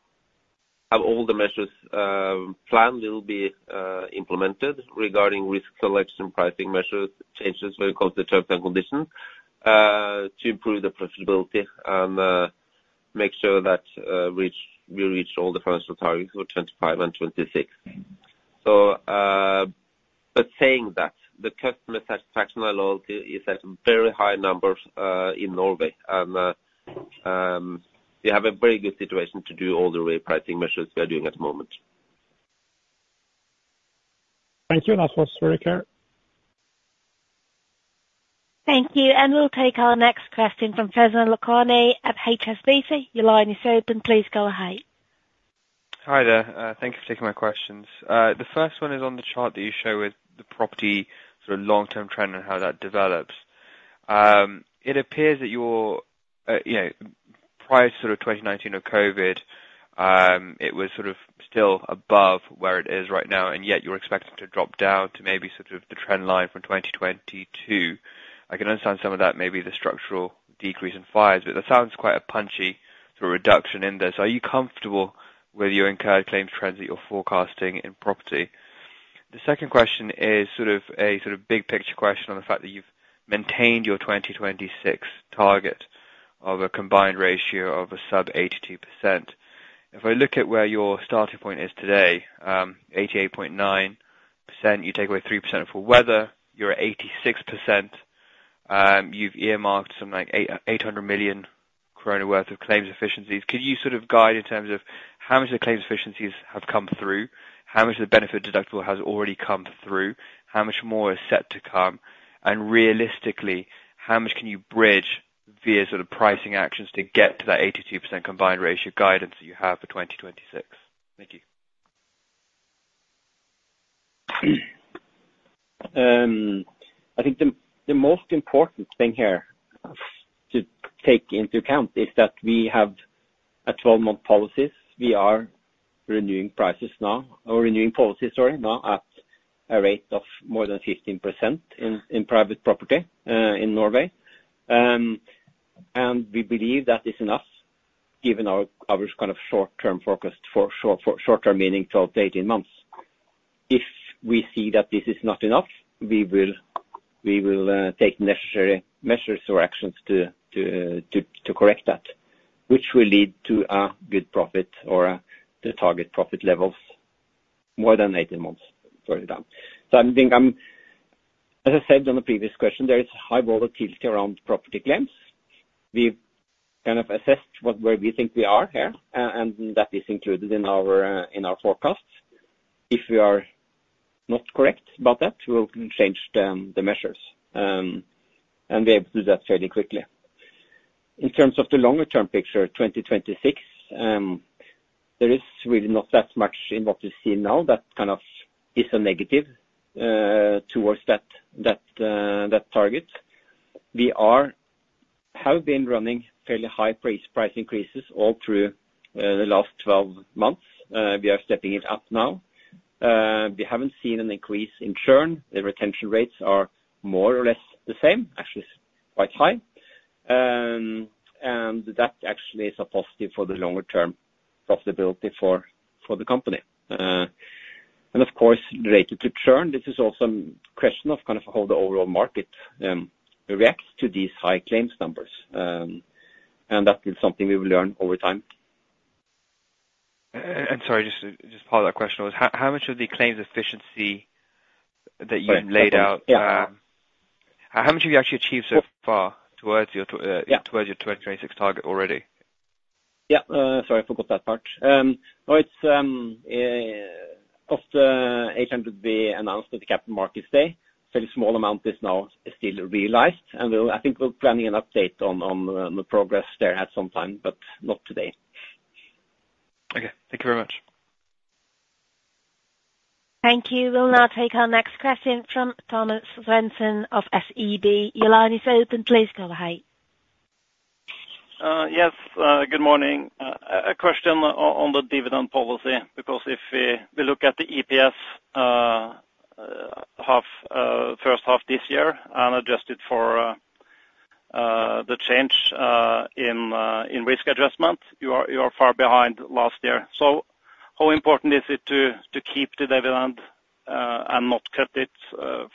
Have all the measures planned will be implemented regarding risk selection, pricing measures, changes when it comes to terms and conditions, to improve the profitability and make sure that we reach, we reach all the financial targets for 2025 and 2026. But saying that, the customer satisfaction and loyalty is at very high numbers in Norway, and we have a very good situation to do all the repricing measures we are doing at the moment. Thank you, and that was very clear. Thank you, and we'll take our next question from Faizan Lakhani at HSBC. Your line is open. Please go ahead. Hi there. Thank you for taking my questions. The first one is on the chart that you show with the property, sort of long-term trend and how that develops. It appears that your, you know, prior to 2019 or COVID, it was sort of still above where it is right now, and yet you're expecting to drop down to maybe sort of the trend line from 2022. I can understand some of that may be the structural decrease in fires, but that sounds quite a punchy sort of reduction in this. Are you comfortable with your incurred claims trends that you're forecasting in property? The second question is sort of a, sort of big picture question on the fact that you've maintained your 2026 target of a combined ratio of a sub-82%. If I look at where your starting point is today, 88.9%, you take away 3% for weather, you're at 86%. You've earmarked something like eight hundred million kroner worth of claims efficiencies. Could you sort of guide in terms of how much the claims efficiencies have come through? How much of the benefit deductible has already come through? How much more is set to come? And realistically, how much can you bridge via sort of pricing actions to get to that 82% combined ratio guidance that you have for 2026? Thank you. I think the most important thing here to take into account is that we have-... at 12-month policies, we are renewing prices now, or renewing policies, sorry, now at a rate of more than 15% in private property in Norway. And we believe that is enough, given our kind of short-term forecast for short term, meaning 12-18 months. If we see that this is not enough, we will take necessary measures or actions to correct that, which will lead to a good profit or the target profit levels more than 18 months further down. So I think I'm, as I said on the previous question, there is high volatility around property claims. We've kind of assessed what where we think we are here, and that is included in our forecasts. If we are not correct about that, we will change the measures and be able to do that fairly quickly. In terms of the longer term picture, 2026, there is really not that much in what we see now that kind of is a negative towards that target. We have been running fairly high price increases all through the last 12 months. We are stepping it up now. We haven't seen an increase in churn. The retention rates are more or less the same, actually quite high. And that actually is a positive for the longer term profitability for the company. And of course, related to churn, this is also a question of kind of how the overall market reacts to these high claims numbers. That is something we will learn over time. Sorry, just part of that question was how much of the claims efficiency that you laid out? Yeah. How much have you actually achieved so far towards your? Yeah. Towards your 2026 target already? Yeah. Sorry, I forgot that part. Well, it's of the 800 we announced at the Capital Markets Day, very small amount is now still realized, and we'll. I think we're planning an update on the progress there at some time, but not today. Okay. Thank you very much. Thank you. We'll now take our next question from Thomas Svendsen of SEB. Your line is open. Please go ahead. Yes, good morning. A question on the dividend policy, because if we look at the EPS, first half this year, and adjust it for the change in risk adjustment, you are far behind last year. So how important is it to keep the dividend and not cut it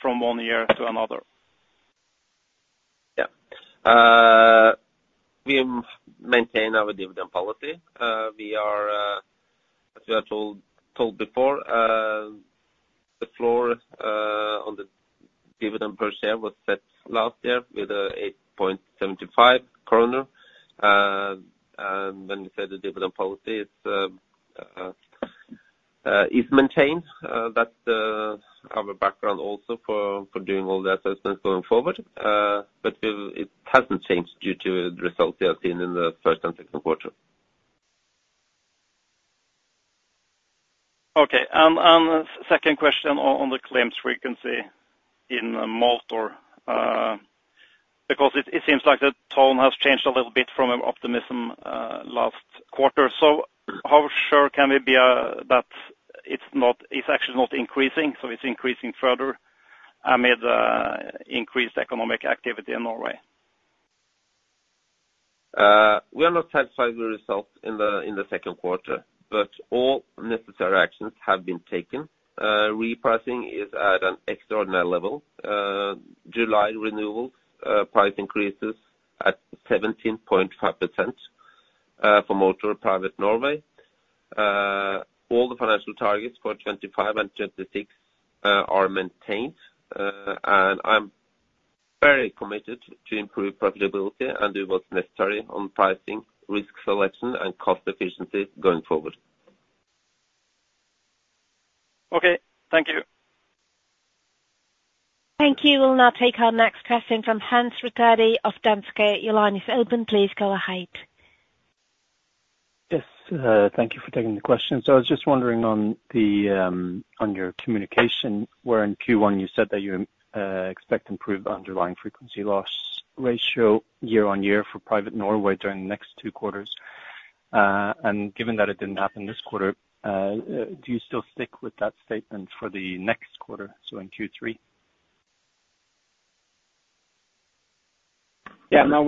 from one year to another? Yeah. We maintain our dividend policy. We are, as we have told before, the floor on the dividend per share was set last year with 8.75 kroner. And when we said the dividend policy is maintained, that's our background also for doing all the assessments going forward. But it hasn't changed due to the results we have seen in the first and second quarter. Okay. And second question on the claims frequency in motor, because it seems like the tone has changed a little bit from optimism last quarter. So how sure can we be that it's actually not increasing further amid increased economic activity in Norway? We are not satisfied with the results in the second quarter, but all necessary actions have been taken. Repricing is at an extraordinary level. July renewals, price increases at 17.5%, for motor private Norway. All the financial targets for 2025 and 2026 are maintained, and I'm very committed to improve profitability and do what's necessary on pricing, risk selection, and cost efficiency going forward. Okay, thank you. Thank you. We'll now take our next question from Hans Rettedal Christiansen of Danske Bank. Your line is open. Please go ahead. Yes, thank you for taking the question. So I was just wondering on the, on your communication, where in Q1 you said that you expect improved underlying frequency loss ratio year-on-year for private Norway during the next two quarters. And given that it didn't happen this quarter, do you still stick with that statement for the next quarter, so in Q3? Yeah. No,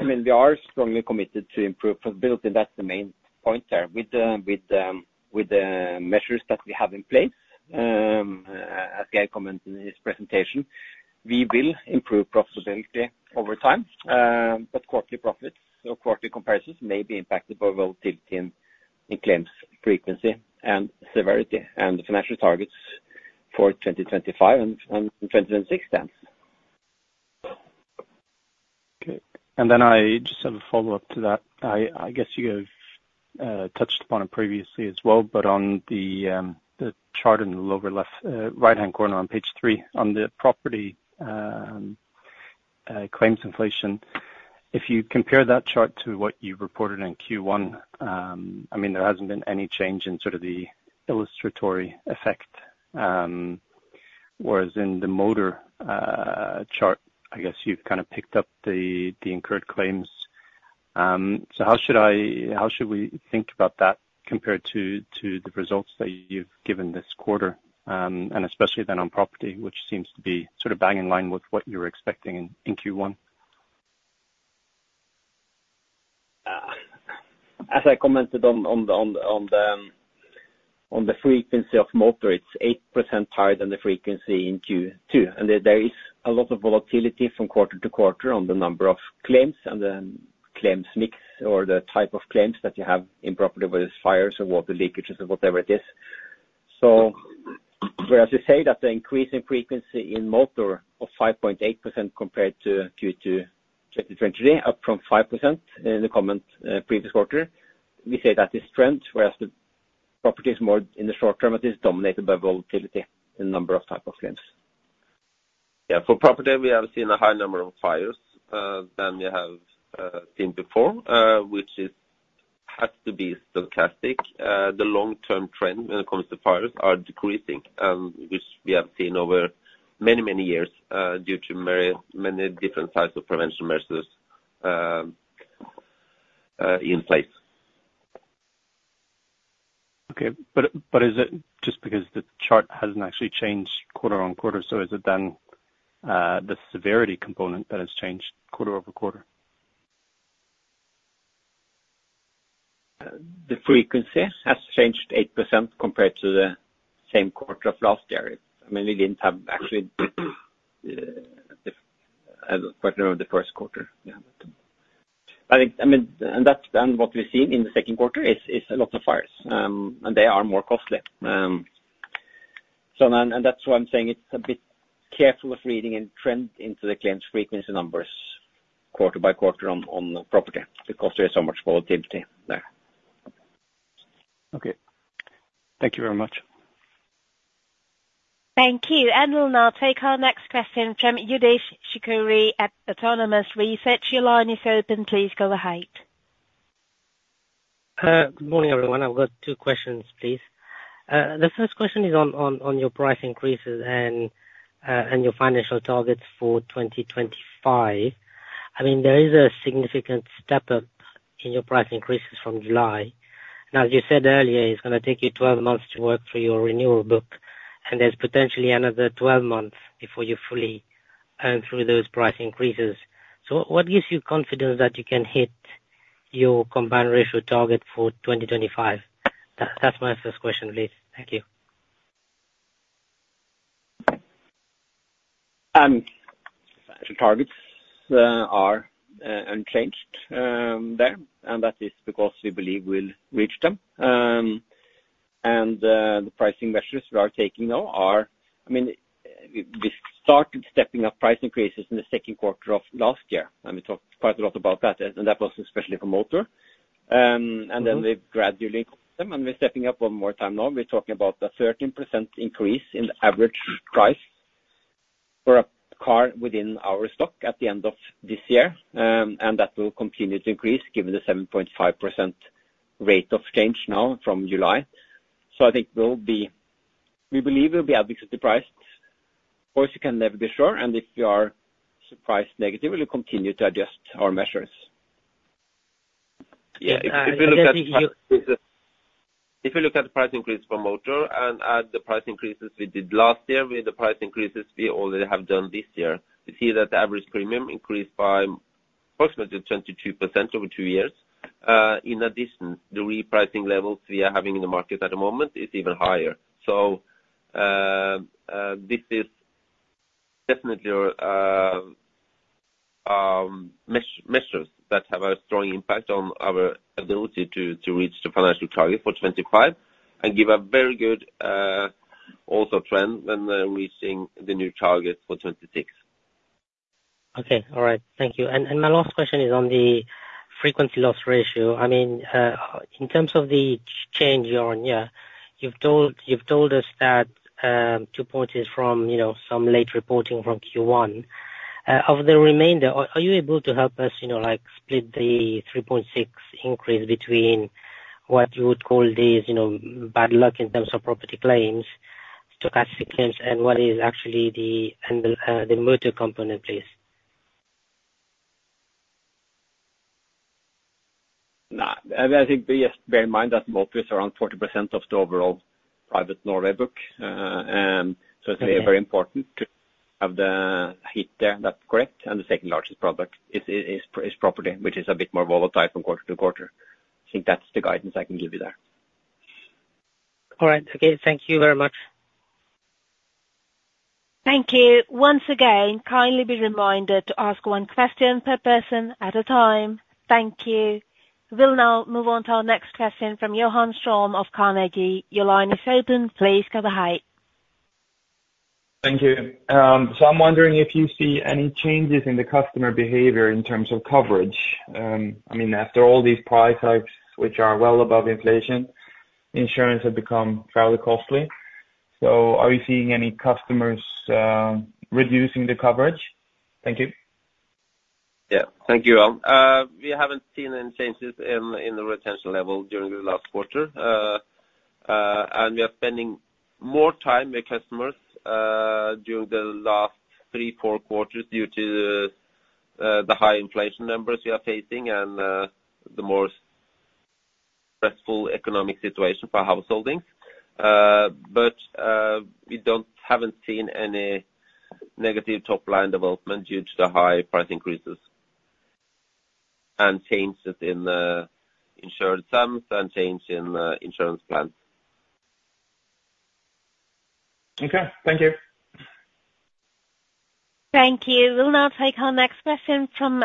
I mean, we are strongly committed to improve profitability. That's the main point there. With the measures that we have in place, as Geir commented in his presentation, we will improve profitability over time, but quarterly profits or quarterly comparisons may be impacted by volatility in claims frequency and severity, and the financial targets for 2025 and 2026 then. Okay. And then I just have a follow-up to that. I guess you have touched upon it previously as well, but on the chart in the lower left, right-hand corner on page 3, on the property claims inflation, if you compare that chart to what you reported in Q1, I mean, there hasn't been any change in sort of the illustrative effect, whereas in the motor chart, I guess you've kind of picked up the incurred claims. So how should I, how should we think about that compared to the results that you've given this quarter, and especially then on property, which seems to be sort of bang in line with what you were expecting in Q1? As I commented on the frequency of motor, it's 8% higher than the frequency in Q2. There is a lot of volatility from quarter to quarter on the number of claims and then claims mix or the type of claims that you have in property, whether it's fires or water leakages or whatever it is. Whereas you say that the increase in frequency in motor of 5.8% compared to Q2 2020, up from 5% in the comment previous quarter, we say that is trend, whereas the property is more in the short term, it is dominated by volatility in number of type of claims. Yeah, for property, we have seen a high number of fires than we have seen before, which is, has to be stochastic. The long-term trend when it comes to fires are decreasing, which we have seen over many, many years due to many, many different types of prevention measures in place. Okay, but is it just because the chart hasn't actually changed quarter-on-quarter, so is it then the severity component that has changed quarter-on-quarter? The frequency has changed 8% compared to the same quarter of last year. I mean, we didn't have actually as part of the first quarter. But I mean, and that's then what we've seen in the second quarter is a lot of fires, and they are more costly. So then, and that's why I'm saying it's a bit careful of reading and trend into the claims frequency numbers quarter by quarter on property, because there is so much volatility there. Okay. Thank you very much. Thank you. We'll now take our next question from Youdish Chicooree at Autonomous Research. Your line is open, please go ahead. Good morning, everyone. I've got two questions, please. The first question is on, on, on your price increases and, and your financial targets for 2025. I mean, there is a significant step up in your price increases from July. Now, as you said earlier, it's gonna take you 12 months to work through your renewal book, and there's potentially another 12 months before you fully earn through those price increases. So what gives you confidence that you can hit your combined ratio target for 2025? That, that's my first question, please. Thank you. The targets are unchanged there, and that is because we believe we'll reach them. The pricing measures we are taking now are... I mean, we started stepping up price increases in the second quarter of last year, and we talked quite a lot about that, and that was especially for motor. And then we've gradually them, and we're stepping up one more time now. We're talking about a 13% increase in the average price for a car within our stock at the end of this year. And that will continue to increase given the 7.5% rate of change now from July. So I think we'll be—we believe we'll be able to price. Of course, you can never be sure, and if we are surprised negatively, we'll continue to adjust our measures. Yeah, if you look at the price increase for motor and add the price increases we did last year, with the price increases we already have done this year, you see that the average premium increased by approximately 22% over two years. In addition, the repricing levels we are having in the market at the moment is even higher. So, this is definitely our measures that have a strong impact on our ability to reach the financial target for 2025 and give a very good also trend when we're reaching the new target for 2026. Okay. All right. Thank you. And my last question is on the frequency loss ratio. I mean, in terms of the change year on year, you've told, you've told us that, two points is from, you know, some late reporting from Q1. Of the remainder, are you able to help us, you know, like, split the 3.6 increase between what you would call these, you know, bad luck in terms of property claims, stochastic claims, and what is actually the end, the motor component, please? No, I think we just bear in mind that motor is around 40% of the overall private Norway book, and- Okay. So it's very important to have the heat there. That's correct. And the second-largest product is property, which is a bit more volatile from quarter to quarter. I think that's the guidance I can give you there. All right. Okay, thank you very much. Thank you. Once again, kindly be reminded to ask one question per person at a time. Thank you. We'll now move on to our next question from Johan Ström of Carnegie. Your line is open. Please go ahead. Thank you. So I'm wondering if you see any changes in the customer behavior in terms of coverage. I mean, after all these price hikes, which are well above inflation, insurance have become fairly costly. So are you seeing any customers reducing the coverage? Thank you. Yeah, thank you, Johan. We haven't seen any changes in the retention level during the last quarter. And we are spending more time with customers during the last three, four quarters due to the high inflation numbers we are facing and the more stressful economic situation for households. But we haven't seen any negative top line development due to the high price increases and changes in the insurance sums and change in insurance plans. Okay, thank you. Thank you. We'll now take our next question from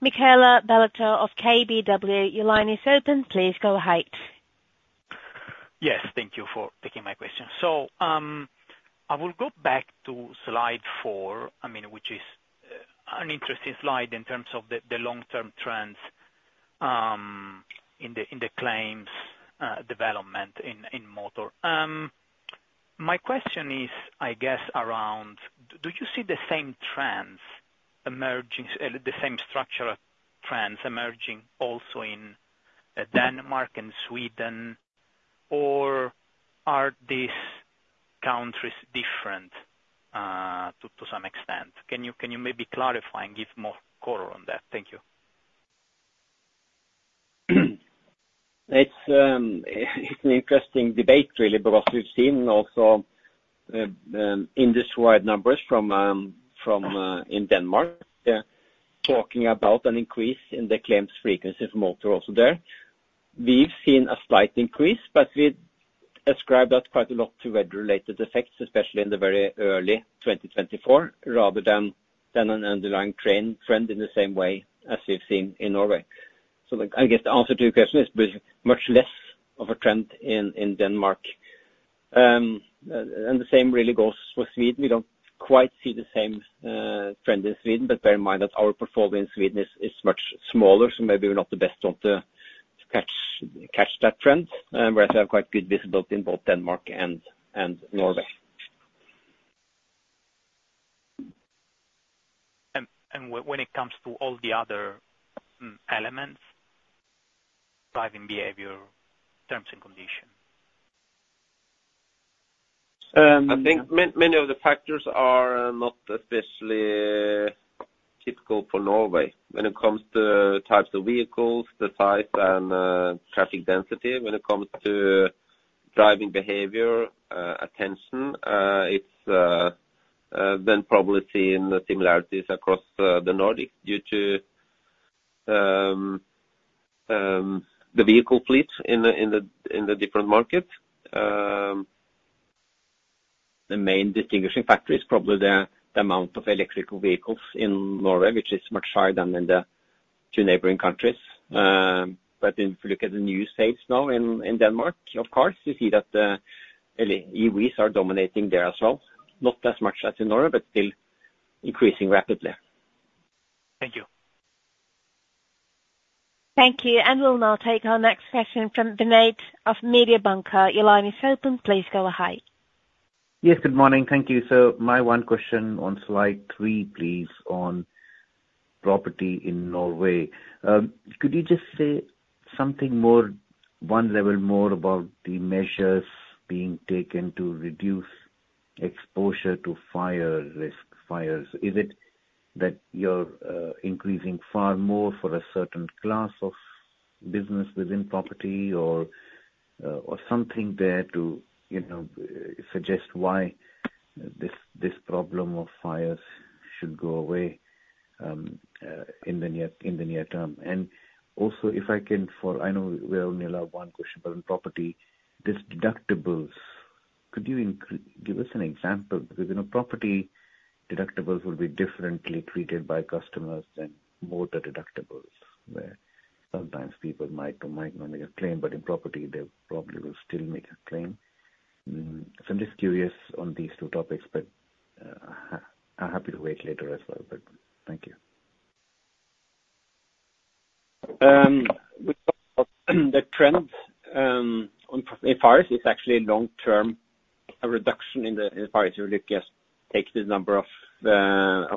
Michele Ballatore of KBW. Your line is open, please go ahead. Yes, thank you for taking my question. I will go back to slide 4, I mean, which is an interesting slide in terms of the long-term trends in the claims development in motor. My question is, I guess, around do you see the same trends emerging, the same structural trends emerging also in Denmark and Sweden, or are these countries different to some extent? Can you maybe clarify and give more color on that? Thank you. It's an interesting debate, really, because we've seen also industry-wide numbers from in Denmark. They're talking about an increase in the claims frequency motor also there. We've seen a slight increase, but we'd ascribe that quite a lot to weather-related effects, especially in the very early 2024, rather than an underlying trend in the same way as we've seen in Norway. So I guess the answer to your question is, with much less of a trend in Denmark. And the same really goes for Sweden. We don't quite see the same trend in Sweden, but bear in mind that our portfolio in Sweden is much smaller, so maybe we're not the best one to catch that trend. Whereas we have quite good visibility in both Denmark and Norway. And when it comes to all the other elements, driving behavior, terms and conditions? I think many of the factors are not especially typical for Norway. When it comes to types of vehicles, the type and traffic density. When it comes to driving behavior, attention, it's then probably seeing the similarities across the Nordics due to the vehicle fleet in the different markets. The main distinguishing factor is probably the amount of electric vehicles in Norway, which is much higher than in the two neighboring countries. But if you look at the new sales now in Denmark, of course, you see that EV are dominating there as well. Not as much as in Norway, but still increasing rapidly. Thank you. Thank you. And we'll now take our next question from Vinit Malhotra of Mediobanca. Your line is open, please go ahead. Yes, good morning. Thank you. So my 1 question on slide 3, please, on property in Norway. Could you just say something more, 1 level more about the measures being taken to reduce exposure to fire risk, fires? Is it that you're increasing far more for a certain class of business within property or something there to, you know, suggest why this, this problem of fires should go away in the near term? And also, if I can, for I know we are only allowed 1 question, but on property, this deductibles, could you give us an example? Because, you know, property deductibles will be differently treated by customers than motor deductibles, where sometimes people might or might not make a claim, but in property, they probably will still make a claim. So I'm just curious on these two topics, but, I'm happy to wait later as well. But thank you. The trend on fires is actually a long-term reduction in the fires. You really just take the number of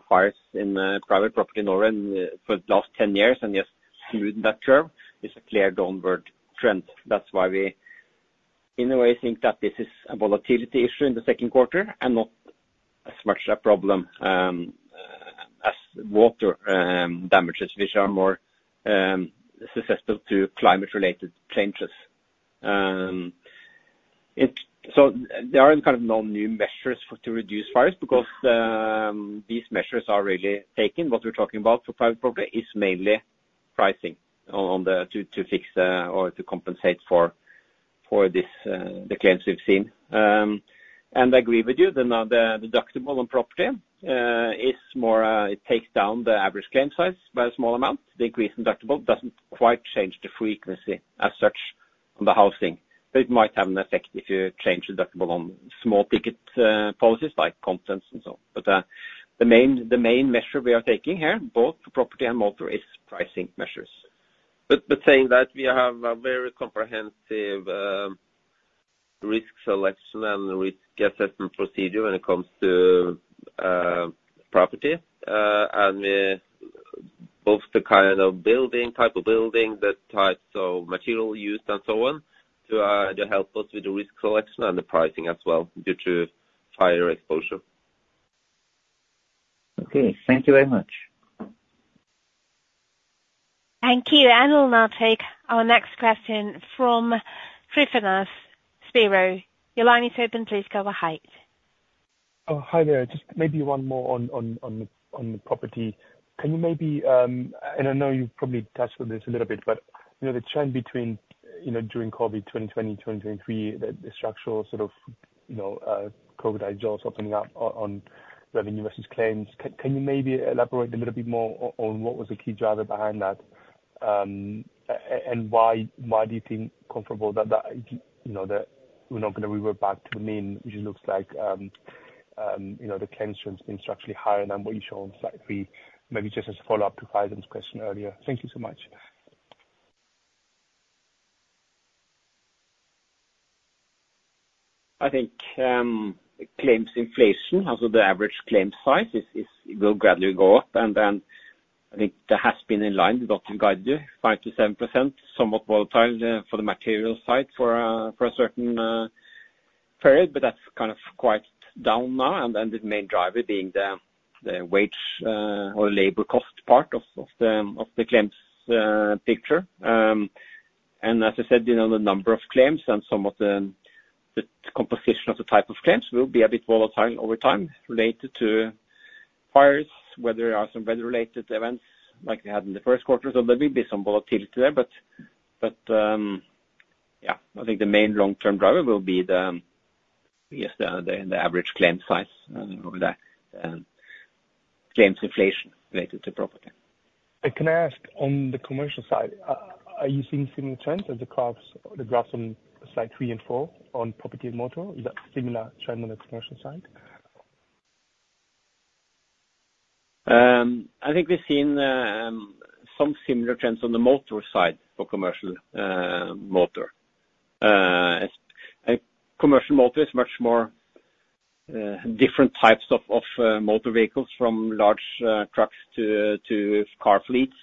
fires in private property in Norway for the last 10 years and just smoothen that curve. It's a clear downward trend. That's why we in a way think that this is a volatility issue in the second quarter, and not as much a problem as water damages, which are more susceptible to climate-related changes. There are kind of no new measures for to reduce fires, because these measures are really taken. What we're talking about for private property is mainly pricing on the to fix or to compensate for this the claims we've seen. And I agree with you, the deductible on property is more; it takes down the average claim size by a small amount. The increase in deductible doesn't quite change the frequency as such on the housing, but it might have an effect if you change the deductible on small ticket policies like contents and so on. But the main measure we are taking here, both for property and motor, is pricing measures. But saying that, we have a very comprehensive risk selection and risk assessment procedure when it comes to property and both the kind of building, type of building, the types of material used, and so on, to help us with the risk selection and the pricing as well, due to higher exposure. Okay, thank you very much. Thank you. We'll now take our next question from Tryfonas Spyrou. Your line is open, please go ahead. Oh, hi there. Just maybe one more on the property. Can you maybe, and I know you've probably touched on this a little bit, but, you know, the trend between, you know, during COVID 2020, 2023, the structural sort of, you know, Covid-adjusted opening up on revenue versus claims. Can you maybe elaborate a little bit more on what was the key driver behind that? And why, why do you think comfortable that, that, you know, that we're not gonna revert back to the mean, which looks like, you know, the claims have been structurally higher than what you show on slide three? Maybe just as a follow-up to Vinit's question earlier. Thank you so much. I think, claims inflation, also the average claims size will gradually go up, and then I think that has been in line with what we guided, 5%-7%. Somewhat volatile for the material side for a certain period, but that's kind of quite down now. And the main driver being the wage or labor cost part of the claims picture. And as I said, you know, the number of claims and some of the composition of the type of claims will be a bit volatile over time, related to fires, weather there are some weather-related events like we had in the first quarter. So there will be some volatility there, but yeah, I think the main long-term driver will be the average claim size over the claims inflation related to property. Can I ask on the commercial side, are you seeing similar trends as the curves, the graphs on slide 3 and 4, on property and motor? Is that similar trend on the commercial side? I think we've seen some similar trends on the motor side, for commercial motor. As commercial motor is much more different types of motor vehicles from large trucks to car fleets.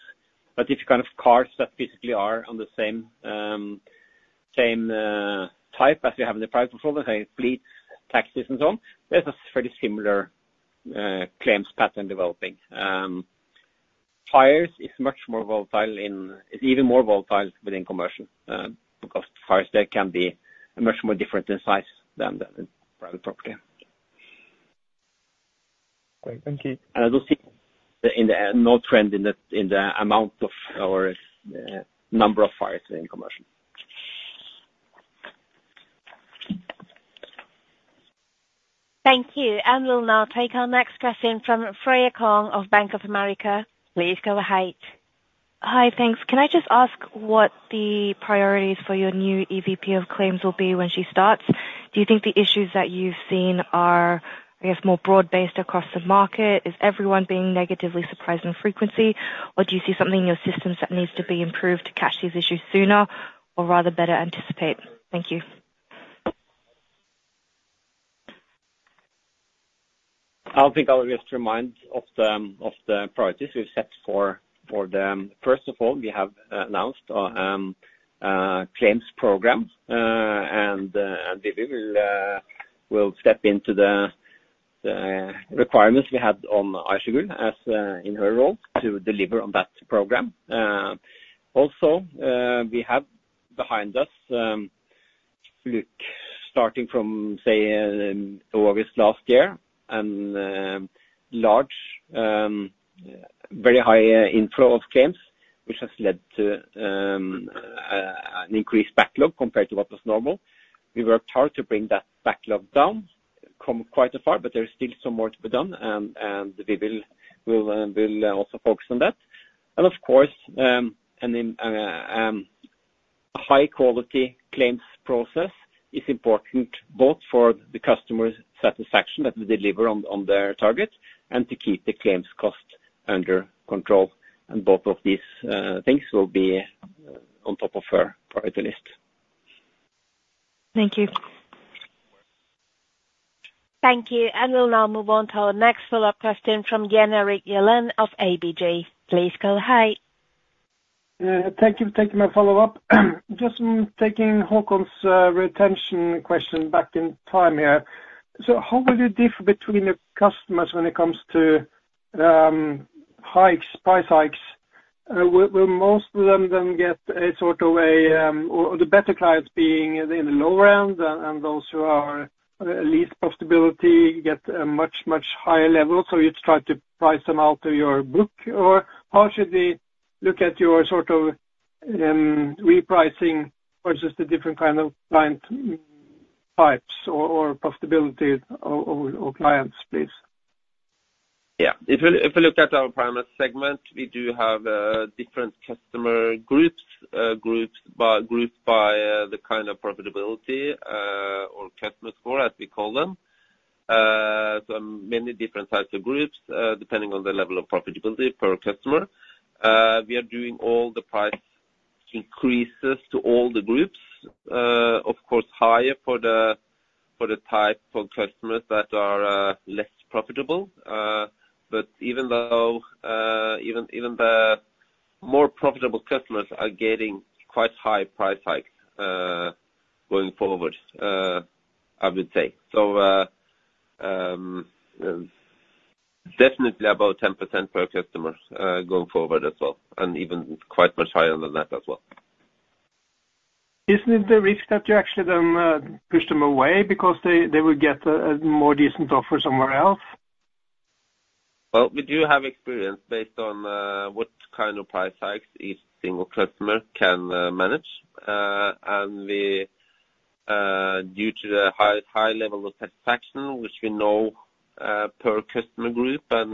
But if you kind of cars that basically are on the same type as we have in the private sector, say fleets, taxis and so on, there's a fairly similar claims pattern developing. Fires is much more volatile in- it's even more volatile within commercial because fires there can be much more different in size than the private property. Great, thank you. I don't see no trend in the amount of or number of fires in commercial. Thank you. And we'll now take our next question from Freya Kong of Bank of America. Please go ahead. Hi, thanks. Can I just ask what the priorities for your new EVP of claims will be when she starts? Do you think the issues that you've seen are, I guess, more broad-based across the market? Is everyone being negatively surprised in frequency, or do you see something in your systems that needs to be improved to catch these issues sooner, or rather better anticipate? Thank you. I think I'll just remind of the priorities we've set for them. First of all, we have announced a claims program, and we will step into the requirements we had on Aysegül as in her role to deliver on that program. Also, we have behind us. Look, starting from, say, in August last year, and large, very high inflow of claims, which has led to an increased backlog compared to what was normal. We worked hard to bring that backlog down, come quite a far, but there is still some more to be done, and we will. We'll also focus on that. Of course, a high quality claims process is important both for the customer's satisfaction, that we deliver on their target, and to keep the claims cost under control. And both of these things will be on top of our priority list. Thank you. Thank you. We'll now move on to our next follow-up question from Jan Erik Gjerland of ABG. Please go ahead. Thank you for taking my follow-up. Just taking Håkon's retention question back in time here. So how will you differ between the customers when it comes to hikes, price hikes? Will most of them get a sort of or the better clients being in the lower end, and those who are least profitability get a much higher level, so you try to price them out to your book? Or how should we look at your sort of repricing versus the different kind of client types or profitability or clients, please? Yeah. If you look at our private segment, we do have different customer groups by the kind of profitability or customer score, as we call them.... some many different types of groups, depending on the level of profitability per customer. We are doing all the price increases to all the groups. Of course, higher for the type of customers that are less profitable. But even though, even the more profitable customers are getting quite high price hike, going forward, I would say. So, definitely about 10% per customer, going forward as well, and even quite much higher than that as well. Isn't it the risk that you actually then push them away because they will get a more decent offer somewhere else? Well, we do have experience based on what kind of price hikes each single customer can manage. And due to the high, high level of satisfaction, which we know per customer group, and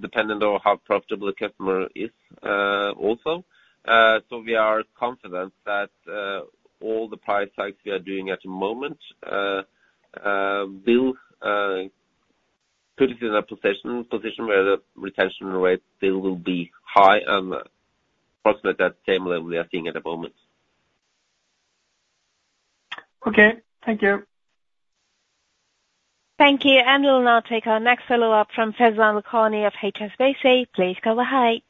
dependent on how profitable the customer is, also. So we are confident that all the price hikes we are doing at the moment will put us in a position where the retention rate still will be high and approximately at the same level we are seeing at the moment. Okay, thank you. Thank you, and we'll now take our next follow-up from Faizan Lakhani of HSBC. Please go ahead.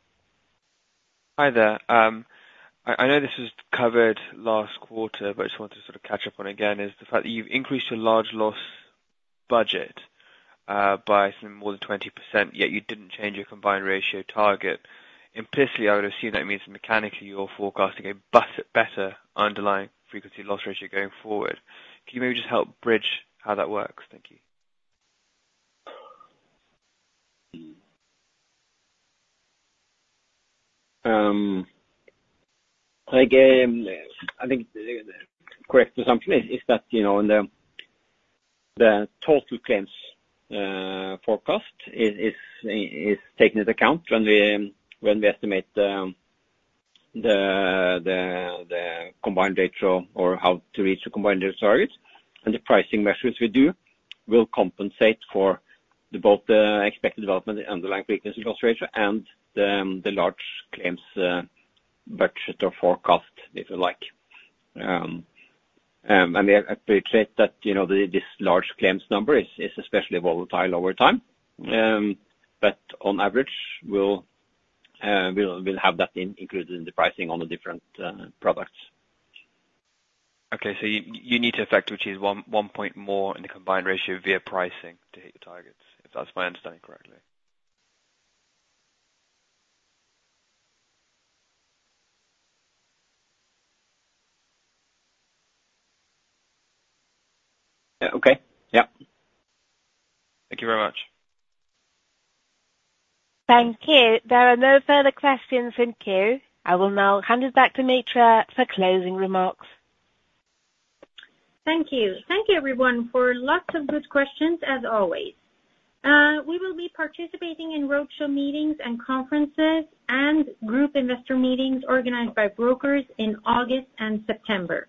Hi there. I know this was covered last quarter, but I just wanted to sort of catch up on again, is the fact that you've increased your large loss budget by more than 20%, yet you didn't change your combined ratio target. Implicitly, I would assume that means mechanically, you're forecasting a better underlying frequency loss ratio going forward. Can you maybe just help bridge how that works? Thank you. Again, I think the correct assumption is that, you know, in the total claims forecast is taken into account when we estimate the combined ratio or how to reach the combined ratio target. And the pricing measures we do will compensate for the both, the expected development and the underlying frequency loss ratio and the large claims budget or forecast, if you like. And we appreciate that, you know, this large claims number is especially volatile over time. But on average, we'll have that included in the pricing on the different products. Okay. So you need to affect, which is one point more in the combined ratio via pricing to hit the targets, if that's my understanding correctly? Yeah. Okay. Yeah. Thank you very much. Thank you. There are no further questions in queue. I will now hand it back to Mitra for closing remarks. Thank you. Thank you everyone, for lots of good questions as always. We will be participating in roadshow meetings and conferences, and group investor meetings organized by brokers in August and September.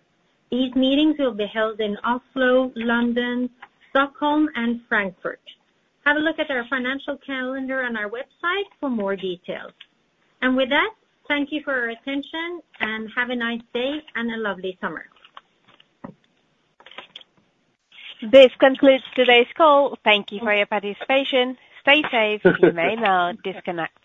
These meetings will be held in Oslo, London, Stockholm and Frankfurt. Have a look at our financial calendar on our website for more details. With that, thank you for your attention and have a nice day and a lovely summer. This concludes today's call. Thank you for your participation. Stay safe. You may now disconnect.